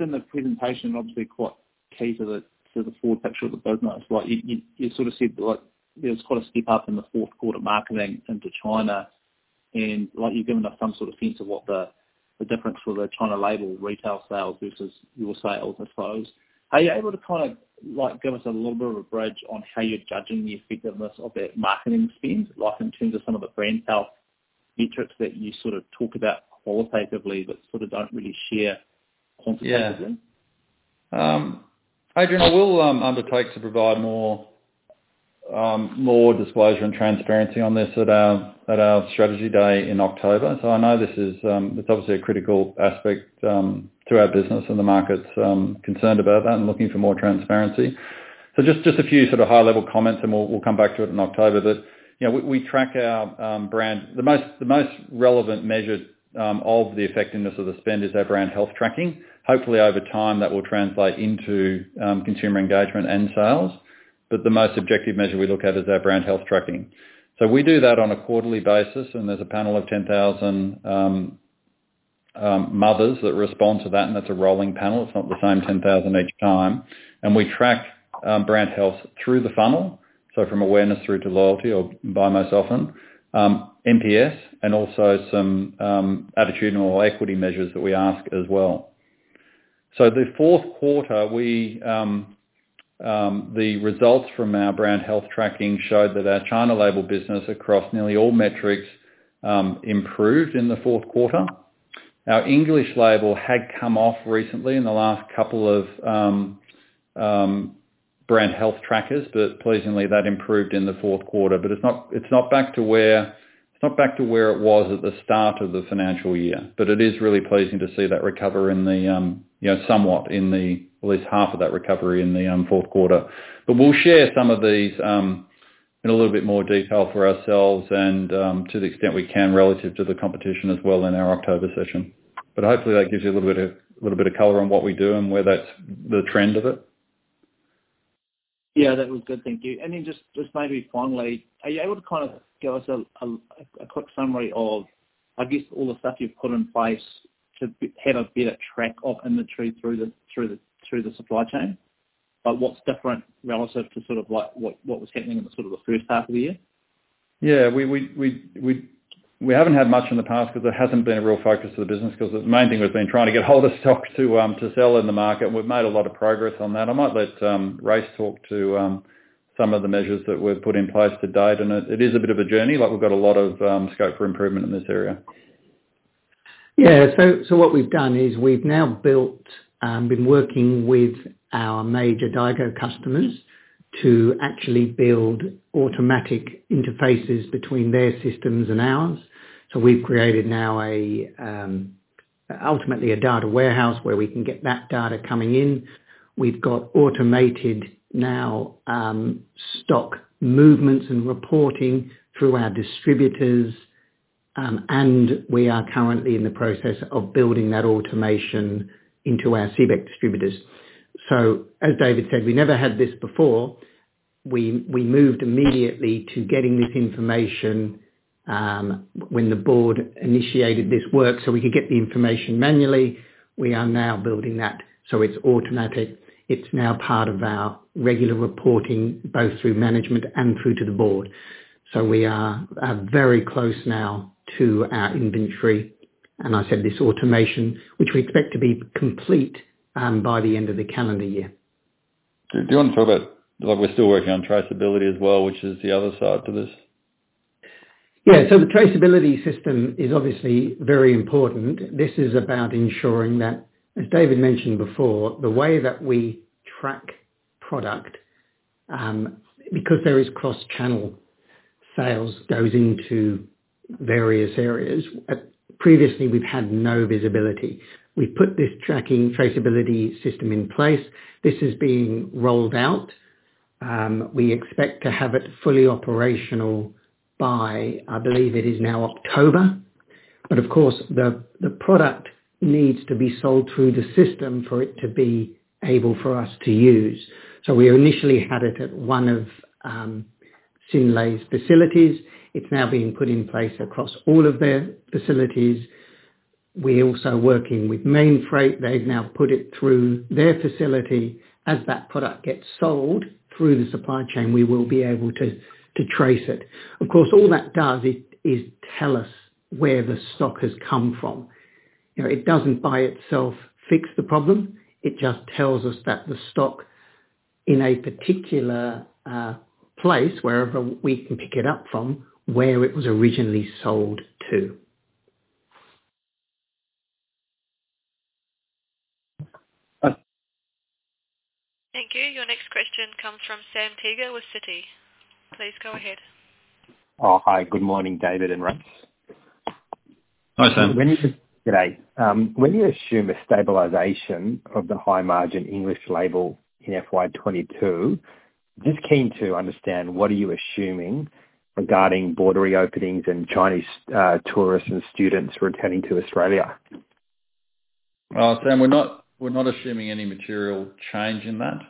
in the presentation, obviously quite key to the forward picture of the business, you said there was quite a skip up in the fourth quarter marketing into China, and you've given us some sort of sense of what the difference for the China label retail sales versus your sales as flows. Are you able to give us a little bit of a bridge on how you're judging the effectiveness of that marketing spend, in terms of some of the brand health metrics that you sort of talk about qualitatively but don't really share quantitatively?
Yeah. Adrian Allbon, I will undertake to provide more disclosure and transparency on this at our strategy day in October. I know this is obviously a critical aspect to our business, and the market's concerned about that and looking for more transparency. Just a few high-level comments, and we'll come back to it in October. The most relevant measure of the effectiveness of the spend is our brand health tracking. Hopefully, over time, that will translate into consumer engagement and sales. The most objective measure we look at is our brand health tracking. We do that on a quarterly basis, and there's a panel of 10,000 mothers that respond to that, and that's a rolling panel. It's not the same 10,000 each time. We track brand health through the funnel. From awareness through to loyalty, or buy most often, NPS, and also some attitudinal equity measures that we ask as well. The fourth quarter, the results from our brand health tracking showed that our China label business across nearly all metrics, improved in the fourth quarter. Our English label had come off recently in the last couple of brand health trackers, but pleasingly, that improved in the fourth quarter. It's not back to where it was at the start of the financial year. It is really pleasing to see that recover somewhat, at least half of that recovery in the fourth quarter. We'll share some of these in a little bit more detail for ourselves and, to the extent we can, relative to the competition as well in our October session. Hopefully that gives you a little bit of color on what we do and where that's the trend of it.
Yeah, that was good. Thank you. Just maybe finally, are you able to give us a quick summary of, I guess all the stuff you've put in place to have a better track of inventory through the supply chain, but what's different relative to what was happening in the first half of the year?
Yeah. We haven't had much in the past because it hasn't been a real focus of the business because the main thing we've been trying to get hold of stock to sell in the market, and we've made a lot of progress on that. I might let Race talk to some of the measures that we've put in place to date, and it is a bit of a journey. We've got a lot of scope for improvement in this area.
Yeah. What we've done is we've now been working with our major Daigou customers to actually build automatic interfaces between their systems and ours. We've created now ultimately a data warehouse where we can get that data coming in. We've got automated now stock movements and reporting through our distributors. We are currently in the process of building that automation into our CBEC distributors. As David said, we never had this before. We moved immediately to getting this information, when the board initiated this work, so we could get the information manually. We are now building that, so it's automatic. It's now part of our regular reporting, both through management and through to the board. We are very close now to our inventory. I said this automation, which we expect to be complete by the end of the calendar year.
Do you want to talk about, we're still working on traceability as well, which is the other side to this?
Yeah. The traceability system is obviously very important. This is about ensuring that, as David mentioned before, the way that we track product, because there is cross-channel sales, goes into various areas. Previously, we've had no visibility. We've put this tracking traceability system in place. This is being rolled out. We expect to have it fully operational by, I believe it is now October. Of course, the product needs to be sold through the system for it to be able for us to use. We initially had it at one of Synlait's facilities. It's now being put in place across all of their facilities. We're also working with Mainfreight. They've now put it through their facility. As that product gets sold through the supply chain, we will be able to trace it. Of course, all that does is tell us where the stock has come from. It doesn't by itself fix the problem. It just tells us that the stock in a particular place, wherever we can pick it up from, where it was originally sold to.
Okay.
Thank you. Your next question comes from Sam Teeger with Citi. Please go ahead.
Oh, hi. Good morning, David and Race.
Hi, Sam.
Good day. When you assume a stabilization of the high-margin English label in FY 2022, just keen to understand, what are you assuming regarding border reopenings and Chinese tourists and students returning to Australia?
Sam, we're not assuming any material change in that.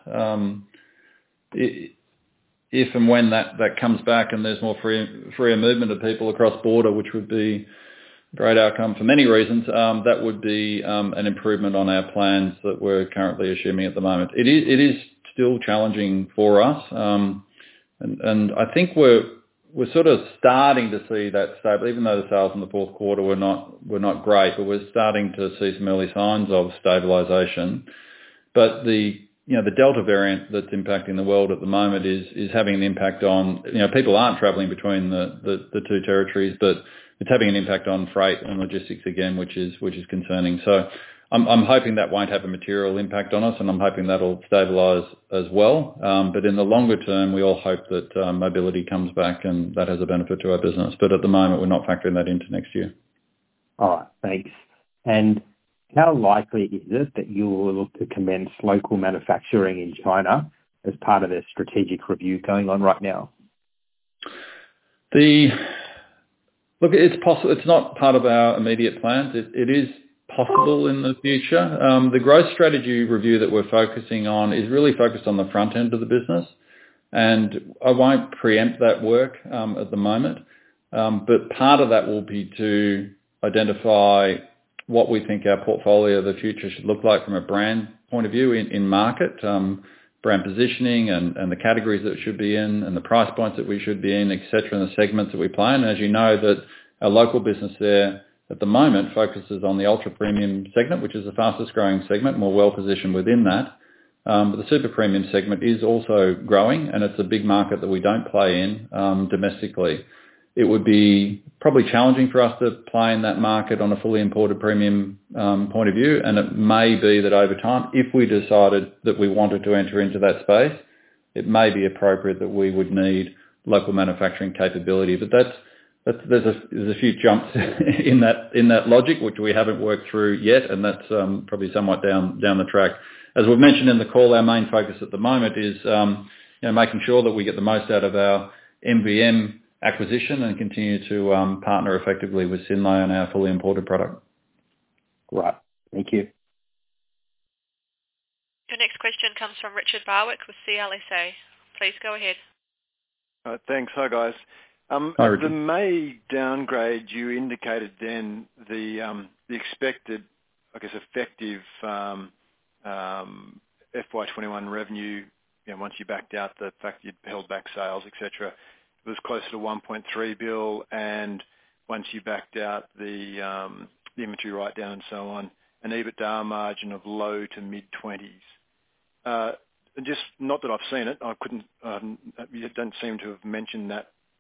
If and when that comes back and there's more freer movement of people across border, which would be great outcome for many reasons, that would be an improvement on our plans that we're currently assuming at the moment. It is still challenging for us. I think we're sort of starting to see that stable, even though the sales in the fourth quarter were not great, we're starting to see some early signs of stabilization. The Delta variant that's impacting the world at the moment is having an impact, people aren't traveling between the two territories, it's having an impact on freight and logistics again, which is concerning. I'm hoping that won't have a material impact on us, I'm hoping that'll stabilize as well. In the longer term, we all hope that mobility comes back and that has a benefit to our business. At the moment, we're not factoring that into next year.
All right. Thanks. How likely is it that you will look to commence local manufacturing in China as part of the strategic review going on right now?
Look, it's not part of our immediate plans. It is possible in the future. The growth strategy review that we're focusing on is really focused on the front end of the business, and I won't preempt that work at the moment. Part of that will be to identify what we think our portfolio of the future should look like from a brand point of view in market, brand positioning and the categories that it should be in and the price points that we should be in, etc, and the segments that we play in. As you know that our local business there at the moment focuses on the ultra-premium segment, which is the fastest-growing segment, and we're well-positioned within that. The super-premium segment is also growing, and it's a big market that we don't play in domestically. It would be probably challenging for us to play in that market on a fully imported premium point of view. It may be that over time, if we decided that we wanted to enter into that space, it may be appropriate that we would need local manufacturing capability. There's a few jumps in that logic, which we haven't worked through yet. That's probably somewhat down the track. As we've mentioned in the call, our main focus at the moment is making sure that we get the most out of our MVM acquisition and continue to partner effectively with Synlait on our fully imported product.
Right. Thank you.
Your next question comes from Richard Barwick with CLSA. Please go ahead.
All right, thanks. Hi, guys.
Hi, Richard.
The May downgrade you indicated then the expected, I guess, effective FY 2021 revenue, once you backed out the fact you'd held back sales, et cetera, was closer to 1.3 billion. Once you backed out the inventory write-down and so on, an EBITDA margin of low-to-mid 20%. Just not that I've seen it, you don't seem to have mentioned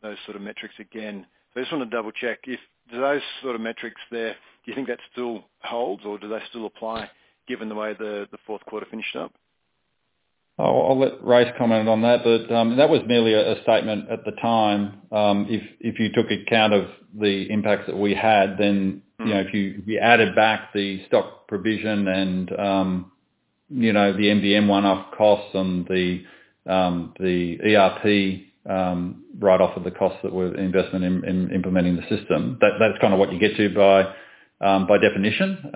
those sort of metrics again. I just want to double-check if, do those sort of metrics there, do you think that still holds or do they still apply given the way the fourth quarter finished up?
I'll let Race comment on that. That was merely a statement at the time. If you took account of the impacts that we had, then if you added back the stock provision and the MVM one-off costs and the ERP write-off of the costs that were investment in implementing the system, that's kind of what you get to by definition.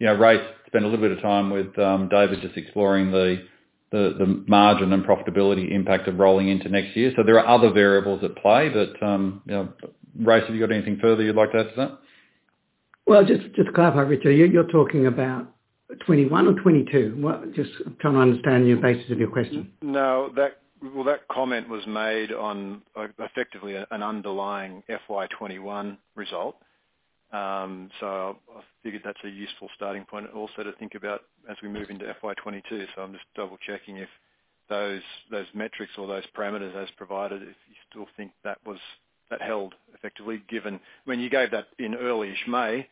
Race spent a little bit of time with David just exploring the margin and profitability impact of rolling into next year. There are other variables at play but Race, have you got anything further you'd like to add to that?
Well, just to clarify, Richard, you're talking about 2021 or 2022? Just trying to understand your basis of your question.
No. Well, that comment was made on effectively an underlying FY 2021 result. I figured that's a useful starting point also to think about as we move into FY 2022. I'm just double-checking if those metrics or those parameters as provided, if you still think that held effectively given, I mean, you gave that in early-ish May,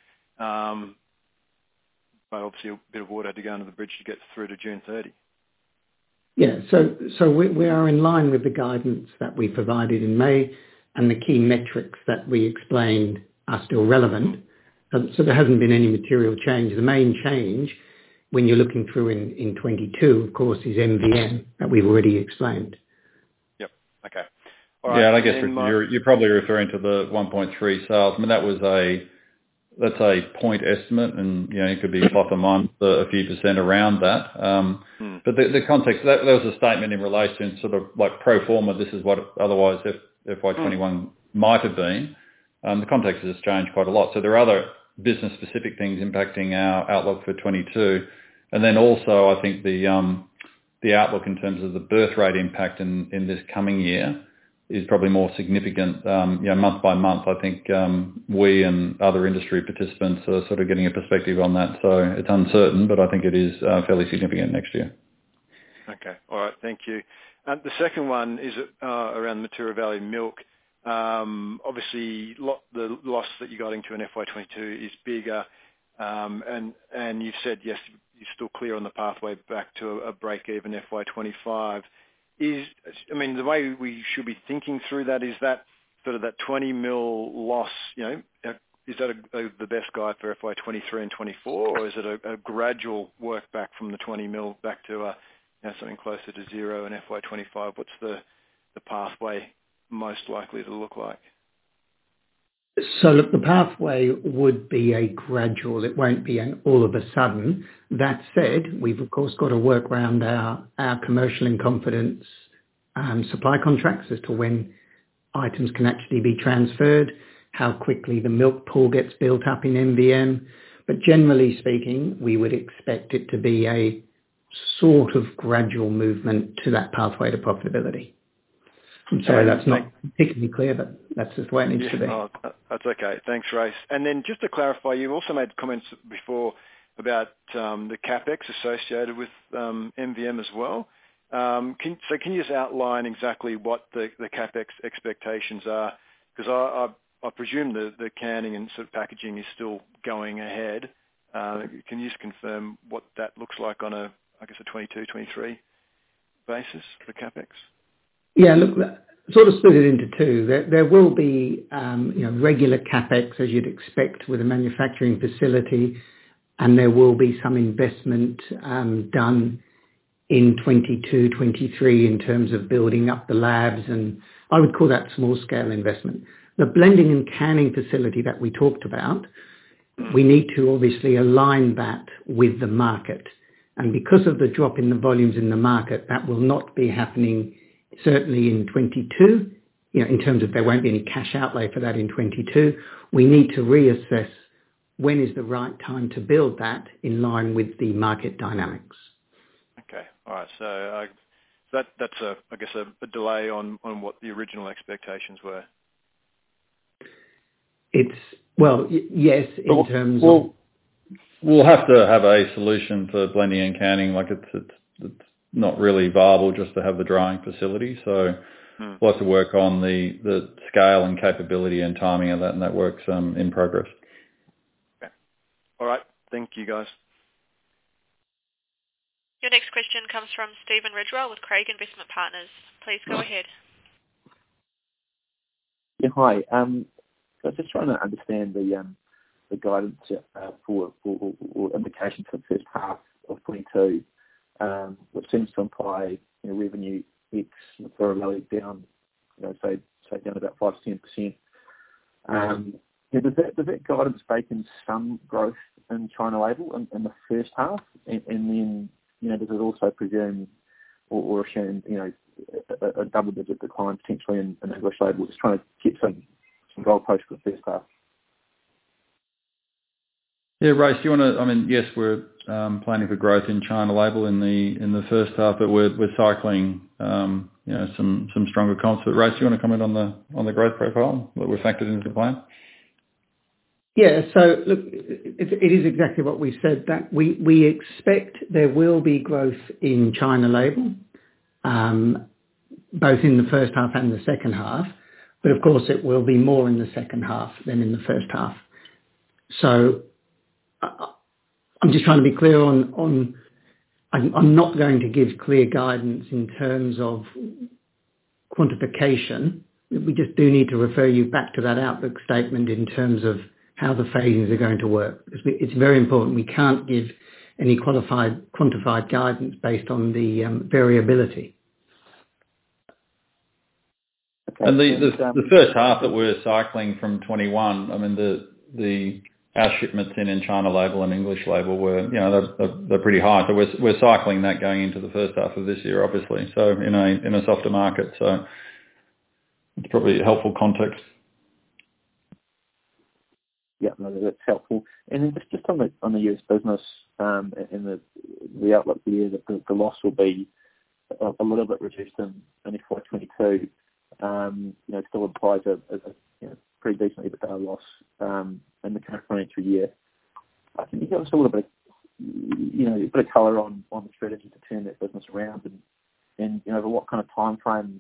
obviously a bit of water to go under the bridge to get through to June 30.
We are in line with the guidance that we provided in May, and the key metrics that we explained are still relevant. There hasn't been any material change. The main change when you're looking through in 2022, of course, is MVM that we've already explained.
Yep. Okay. All right.
I guess you're probably referring to the 1.3 sales. I mean, that's a point estimate and it could be plus or minus a few percent around that. The context, there was a statement in relation sort of like pro forma, this is what otherwise FY 2021 might have been. The context has changed quite a lot. There are other business specific things impacting our outlook for 2022. Also I think the outlook in terms of the birth rate impact in this coming year is probably more significant month by month. I think, we and other industry participants are sort of getting a perspective on that. It's uncertain, but I think it is fairly significant next year.
Okay. All right. Thank you. The second one is around the Mataura Valley Milk. Obviously, the loss that you got into in FY 2022 is bigger. You've said yes, you're still clear on the pathway back to a break-even FY 2025. I mean, the way we should be thinking through that is that sort of that 20 million loss, is that the best guide for FY 2023 and 2024? Is it a gradual work back from the 20 million back to something closer to zero in FY 2025? What's the pathway most likely to look like?
Look, the pathway would be a gradual. It won't be an all of a sudden. That said, we've of course got to work around our commercial in confidence and supply contracts as to when items can actually be transferred, how quickly the milk pool gets built up in MVM. Generally speaking, we would expect it to be a sort of gradual movement to that pathway to profitability. I'm sorry if that's not particularly clear, but that's just the way it needs to be.
No. That's okay. Thanks, Race. Just to clarify, you've also made comments before about the CapEx associated with MVM as well. Can you just outline exactly what the CapEx expectations are? I presume that the canning and sort of packaging is still going ahead. Can you just confirm what that looks like on a, I guess a FY 2022, FY 2023 basis for CapEx?
Yeah, look, sort of split it into two. There will be regular CapEx as you'd expect with a manufacturing facility. There will be some investment done in 2022, 2023 in terms of building up the labs, I would call that small scale investment. The blending and canning facility that we talked about, we need to obviously align that with the market. Because of the drop in the volumes in the market, that will not be happening certainly in 2022, in terms of there won't be any cash outlay for that in 2022. We need to reassess when is the right time to build that in line with the market dynamics.
Okay. All right. That's, I guess, a delay on what the original expectations were.
Well, yes.
Well, we'll have to have a solution for blending and canning. Like, it's not really viable just to have the drying facility. We'll have to work on the scale and capability and timing of that, and that work's in progress.
Okay. All right. Thank you, guys.
Your next question comes from Stephen Ridgewell with Craigs Investment Partners. Please go ahead.
Yeah. Hi. I'm just trying to understand the guidance for indications for the first half of 2022, which seems to imply revenue X for a value down, say down about 5%-10%. Does that guidance bake in some growth in China label in the first half? This is also presuming or assuming a double-digit decline potentially in English label. Just trying to get some goalposts for the first half.
Yeah. Race, do you want to I mean, yes, we're planning for growth in China label in the first half, but we're cycling some stronger comps. Race, you want to comment on the growth profile that we've factored into the plan?
It is exactly what we said, that we expect there will be growth in China label, both in the first half and the second half. Of course it will be more in the second half than in the first half. I'm not going to give clear guidance in terms of quantification. We do need to refer you back to that outlook statement in terms of how the phases are going to work. It's very important. We can't give any quantified guidance based on the variability.
The first half that we're cycling from 2021, I mean, our shipments in China label and English label were, they're pretty high. We're cycling that going into the first half of this year, obviously, in a softer market. It's probably a helpful context.
Yeah, no, that's helpful. Just on the U.S. business, and the outlook for the year, the loss will be a little bit reduced in FY 2022. It still implies a pretty decent EBITDA loss in the current financial year. Can you give us a little bit of color on the strategy to turn that business around? Over what kind of timeframe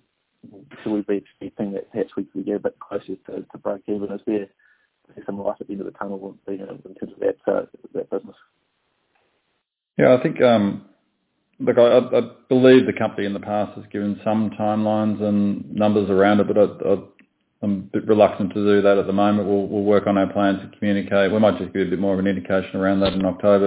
should we be thinking that perhaps we could get a bit closer to breakeven? Is there some light at the end of the tunnel in terms of that business?
Look, I believe the company in the past has given some timelines and numbers around it, but I'm a bit reluctant to do that at the moment. We'll work on our plan to communicate. We might just give you a bit more of an indication around that in October.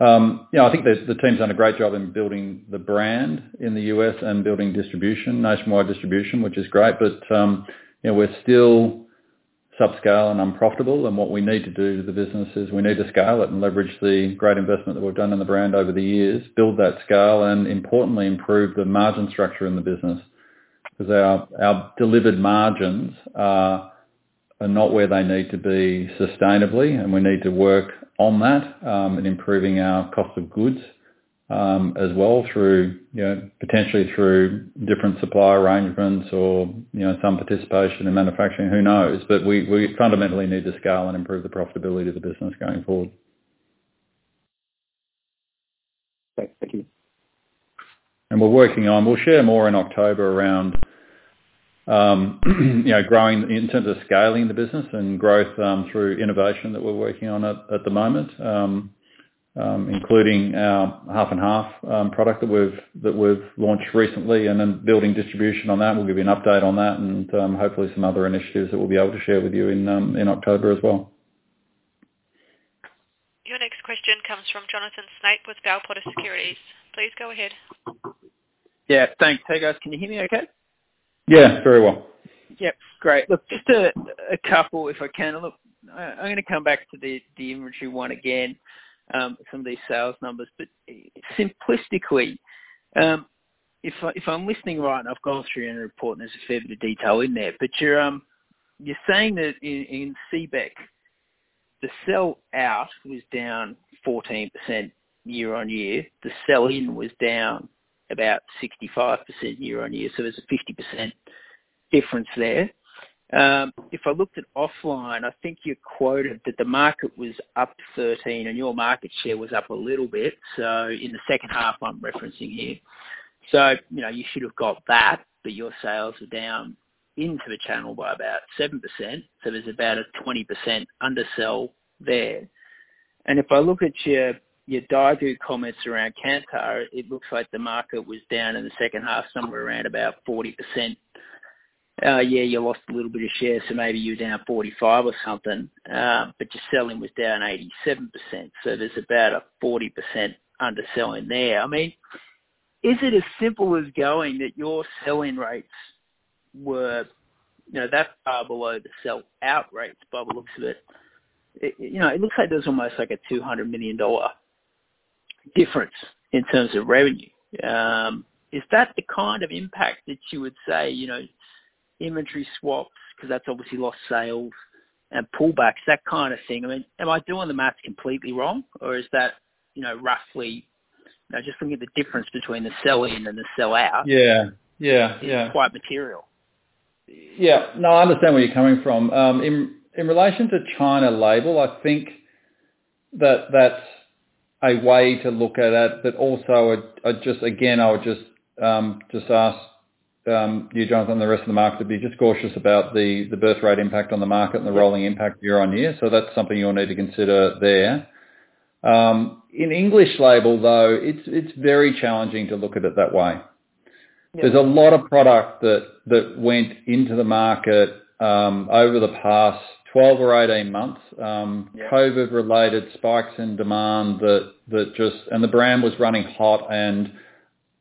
I think the team's done a great job in building the brand in the U.S. and building nationwide distribution, which is great. We're still subscale and unprofitable, and what we need to do to the business is we need to scale it and leverage the great investment that we've done in the brand over the years, build that scale and importantly, improve the margin structure in the business. Our delivered margins are not where they need to be sustainably. We need to work on that, and improving our cost of goods, as well, potentially through different supplier arrangements or some participation in manufacturing, who knows? We fundamentally need to scale and improve the profitability of the business going forward.
Great. Thank you.
We'll share more in October around growing in terms of scaling the business and growth through innovation that we're working on at the moment, including our half-and-half product that we've launched recently, and then building distribution on that. We'll give you an update on that and hopefully some other initiatives that we'll be able to share with you in October as well.
Your next question comes from Jonathan Snape with Bell Potter Securities. Please go ahead.
Yeah, thanks. Hey, guys. Can you hear me okay?
Yeah, very well.
Yep. Great. Look, just a couple if I can. Look, I'm going to come back to the inventory one again, some of these sales numbers. Simplistically, if I'm listening right, and I've gone through your annual report, and there's a fair bit of detail in there, you're saying that in CBEC, the sell out was down 14% year-on-year. The sell in was down about 65% year-on-year. There's a 50% difference there. If I looked at offline, I think you quoted that the market was up 13%, and your market share was up a little bit. In the second half, I'm referencing here. You should have got that, but your sales are down into the channel by about 7%, so there's about a 20% undersell there. If I look at your dive through comments around Kantar, it looks like the market was down in the second half somewhere around about 40%. Yeah, you lost a little bit of share, so maybe you're down 45% or something. Your selling was down 87%, so there's about a 40% underselling there. Is it as simple as going that your sell-in rates were that far below the sell-out rates by the looks of it? It looks like there's almost a 200 million dollar difference in terms of revenue. Is that the kind of impact that you would say, inventory swaps, because that's obviously lost sales and pullbacks, that kind of thing? Am I doing the math completely wrong? Is that roughly just looking at the difference between the sell-in and the sell-out-
Yeah
quite material?
Yeah. No, I understand where you're coming from. In relation to China label, I think that that's a way to look at it, but also, again, I would just ask you, Jonathan, the rest of the market to be just cautious about the birth rate impact on the market and the rolling impact year-on-year. That's something you'll need to consider there. In English label, though, it's very challenging to look at it that way.
Yeah.
There's a lot of product that went into the market over the past 12 or 18 months.
Yeah.
COVID-related spikes in demand. The brand was running hot.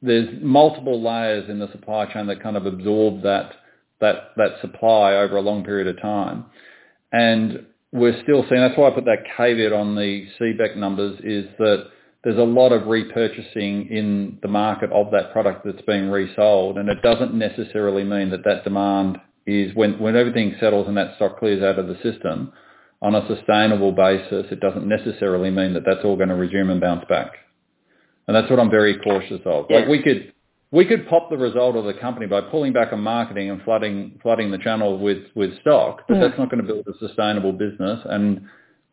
There's multiple layers in the supply chain that kind of absorb that supply over a long period of time. We're still seeing, that's why I put that caveat on the CBEC numbers is that there's a lot of repurchasing in the market of that product that's being resold. It doesn't necessarily mean that that demand is when everything settles and that stock clears out of the system on a sustainable basis, it doesn't necessarily mean that that's all going to resume and bounce back. That's what I'm very cautious of.
Yeah.
We could pop the result of the company by pulling back on marketing and flooding the channel with stock. That's not going to build a sustainable business, and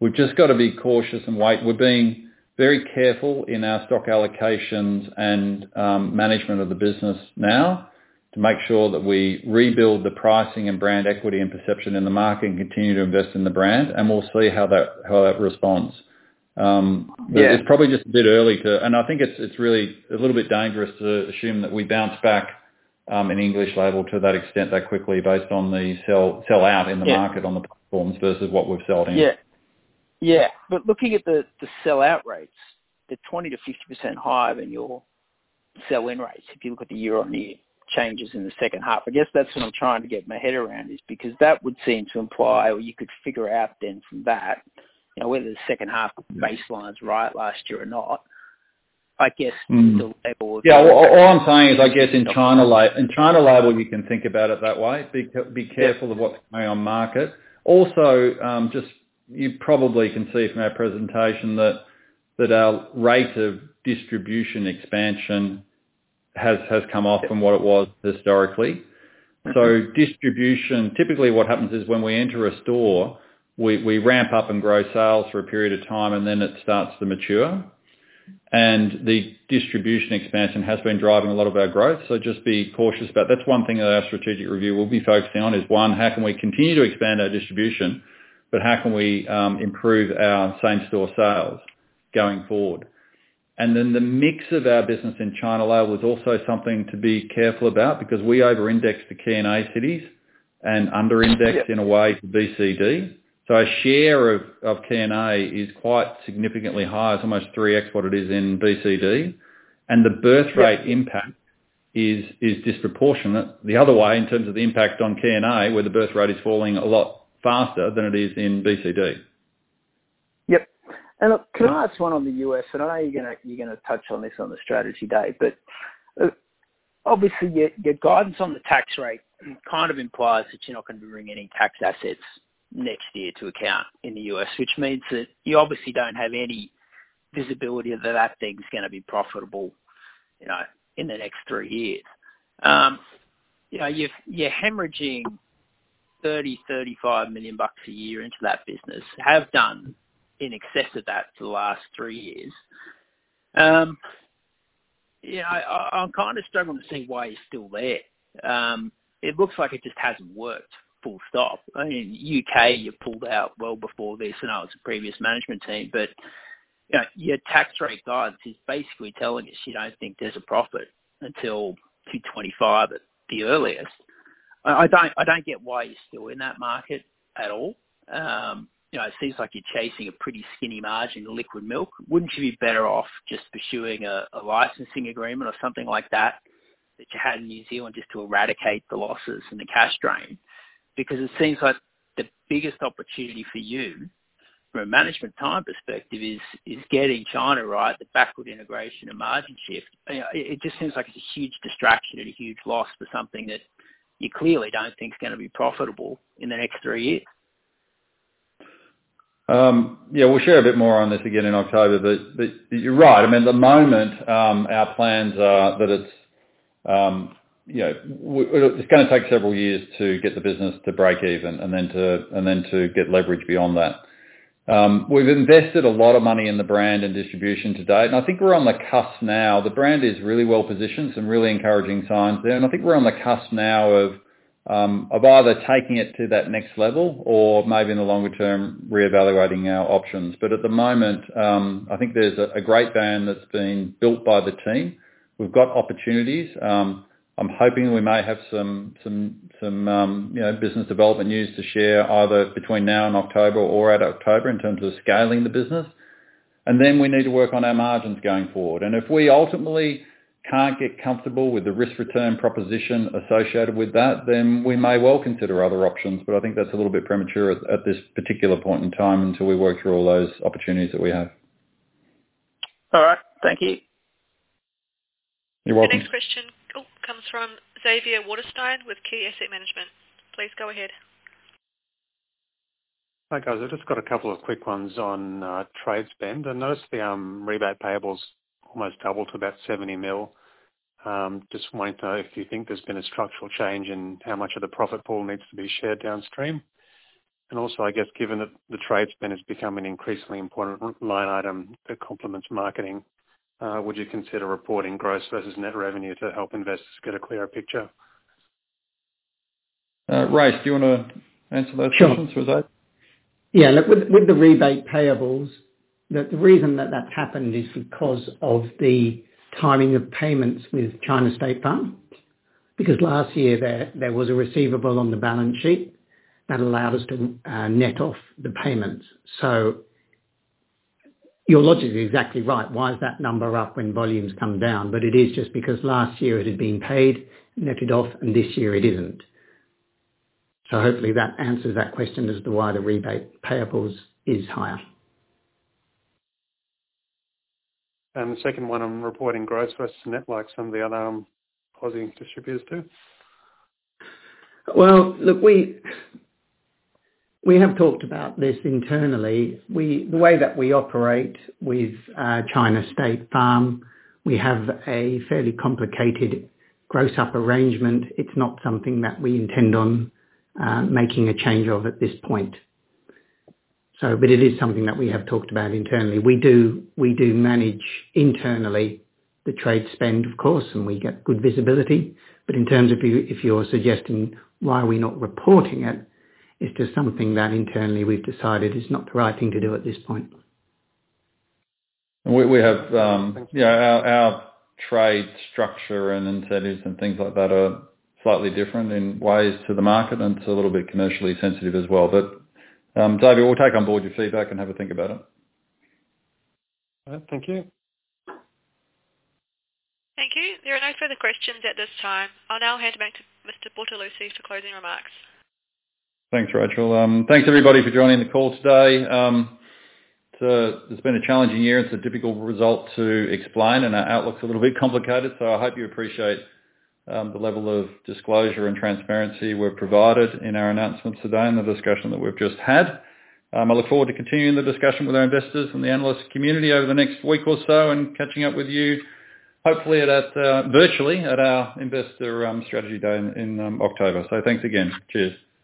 we've just got to be cautious and wait. We're being very careful in our stock allocations and management of the business now to make sure that we rebuild the pricing and brand equity and perception in the market and continue to invest in the brand, and we'll see how that responds.
Yeah.
It's probably just a bit early. I think it's really a little bit dangerous to assume that we bounce back, in English label to that extent that quickly based on the sell out in the market.
Yeah
on the platforms versus what we've sold in.
Yeah. Looking at the sell out rates, they're 20%-50% higher than your sell-in rates. If you look at the year-on-year changes in the second half. I guess that's what I'm trying to get my head around is because that would seem to imply, or you could figure out then from that, whether the second half baseline is right last year or not.
Yeah. All I'm saying is, I guess in China label, you can think about it that way. Be careful-
Yeah
of what's going on market. Also, you probably can see from our presentation that our rate of distribution expansion has come off from what it was historically. Distribution, typically what happens is when we enter a store, we ramp up and grow sales for a period of time, and then it starts to mature. The distribution expansion has been driving a lot of our growth, just be cautious about. That's one thing that our strategic review will be focusing on, is one, how can we continue to expand our distribution, but how can we improve our same store sales going forward. The mix of our business in China label was also something to be careful about because we over-indexed for Key and A cities and under-indexed-
Yep
in a way for B, C, D. Our share of Key and A is quite significantly higher. It's almost 3x what it is in B, C, D. The birth rate impact is disproportionate the other way in terms of the impact on Key and A, where the birth rate is falling a lot faster than it is in B, C, D.
Yep. Look, can I ask one on the U.S.? I know you're going to touch on this on the strategy day, but obviously, your guidance on the tax rate kind of implies that you're not going to be bringing any tax assets next year to account in the U.S., which means that you obviously don't have any visibility that thing's going to be profitable in the next three years. You're hemorrhaging 30 million-35 million bucks a year into that business. Have done in excess of that for the last three years. I'm kind of struggling to see why you're still there. It looks like it just hasn't worked, full stop. In U.K., you pulled out well before this, I know it was a previous management team, but your tax rate guidance is basically telling us you don't think there's a profit until 2025 at the earliest. I don't get why you're still in that market at all. It seems like you're chasing a pretty skinny margin of liquid milk. Wouldn't you be better off just pursuing a licensing agreement or something like that you had in New Zealand just to eradicate the losses and the cash drain? Because it seems like the biggest opportunity for you from a management time perspective is getting China right, the backward integration and margin shift. It just seems like it's a huge distraction and a huge loss for something that you clearly don't think is going to be profitable in the next three years.
Yeah. We'll share a bit more on this again in October, but you're right. At the moment, our plans are that it's going to take several years to get the business to break even and then to get leverage beyond that. We've invested a lot of money in the brand and distribution to date, and I think we're on the cusp now. The brand is really well-positioned, some really encouraging signs there, and I think we're on the cusp now of either taking it to that next level or maybe in the longer term, reevaluating our options. At the moment, I think there's a great brand that's been built by the team. We've got opportunities. I'm hoping we may have some business development news to share either between now and October or at October in terms of scaling the business. Then we need to work on our margins going forward. If we ultimately can't get comfortable with the risk-return proposition associated with that, then we may well consider other options. I think that's a little bit premature at this particular point in time until we work through all those opportunities that we have.
All right. Thank you.
You're welcome.
The next question comes from Xavier Waterstone with QuayStreet Asset Management. Please go ahead.
Hi, guys. I've just got a couple of quick ones on trade spend. I noticed the rebate payables almost doubled to about 70 million. Just want to know if you think there's been a structural change in how much of the profit pool needs to be shared downstream. Also, I guess, given that the trade spend has become an increasingly important line item that complements marketing, would you consider reporting gross versus net revenue to help investors get a clearer picture?
Race, do you want to answer those questions for Xavier?
Sure. Yeah. Look, with the rebate payables, the reason that that's happened is because of the timing of payments with China State Farm, because last year there was a receivable on the balance sheet that allowed us to net off the payments. Your logic is exactly right. Why is that number up when volumes come down? It is just because last year it had been paid and netted off, and this year it isn't. Hopefully that answers that question as to why the rebate payables is higher.
The second one on reporting gross versus net, like some of the other opposing distributors do?
Well, look, we have talked about this internally. The way that we operate with China State Farm, we have a fairly complicated gross up arrangement. It's not something that we intend on making a change of at this point. It is something that we have talked about internally. We do manage internally the trade spend, of course, and we get good visibility. In terms of if you're suggesting why are we not reporting it's just something that internally we've decided is not the right thing to do at this point.
Our trade structure and incentives and things like that are slightly different in ways to the market, and it's a little bit commercially sensitive as well. Xavier, we'll take on board your feedback and have a think about it.
All right. Thank you.
Thank you. There are no further questions at this time. I'll now hand back to Mr. Bortolussi for closing remarks.
Thanks, Rachel. Thanks, everybody, for joining the call today. It's been a challenging year. It's a difficult result to explain, and our outlook's a little bit complicated. I hope you appreciate the level of disclosure and transparency we've provided in our announcements today and the discussion that we've just had. I look forward to continuing the discussion with our investors and the analyst community over the next week or so and catching up with you, hopefully virtually at our investor strategy day in October. Thanks again. Cheers.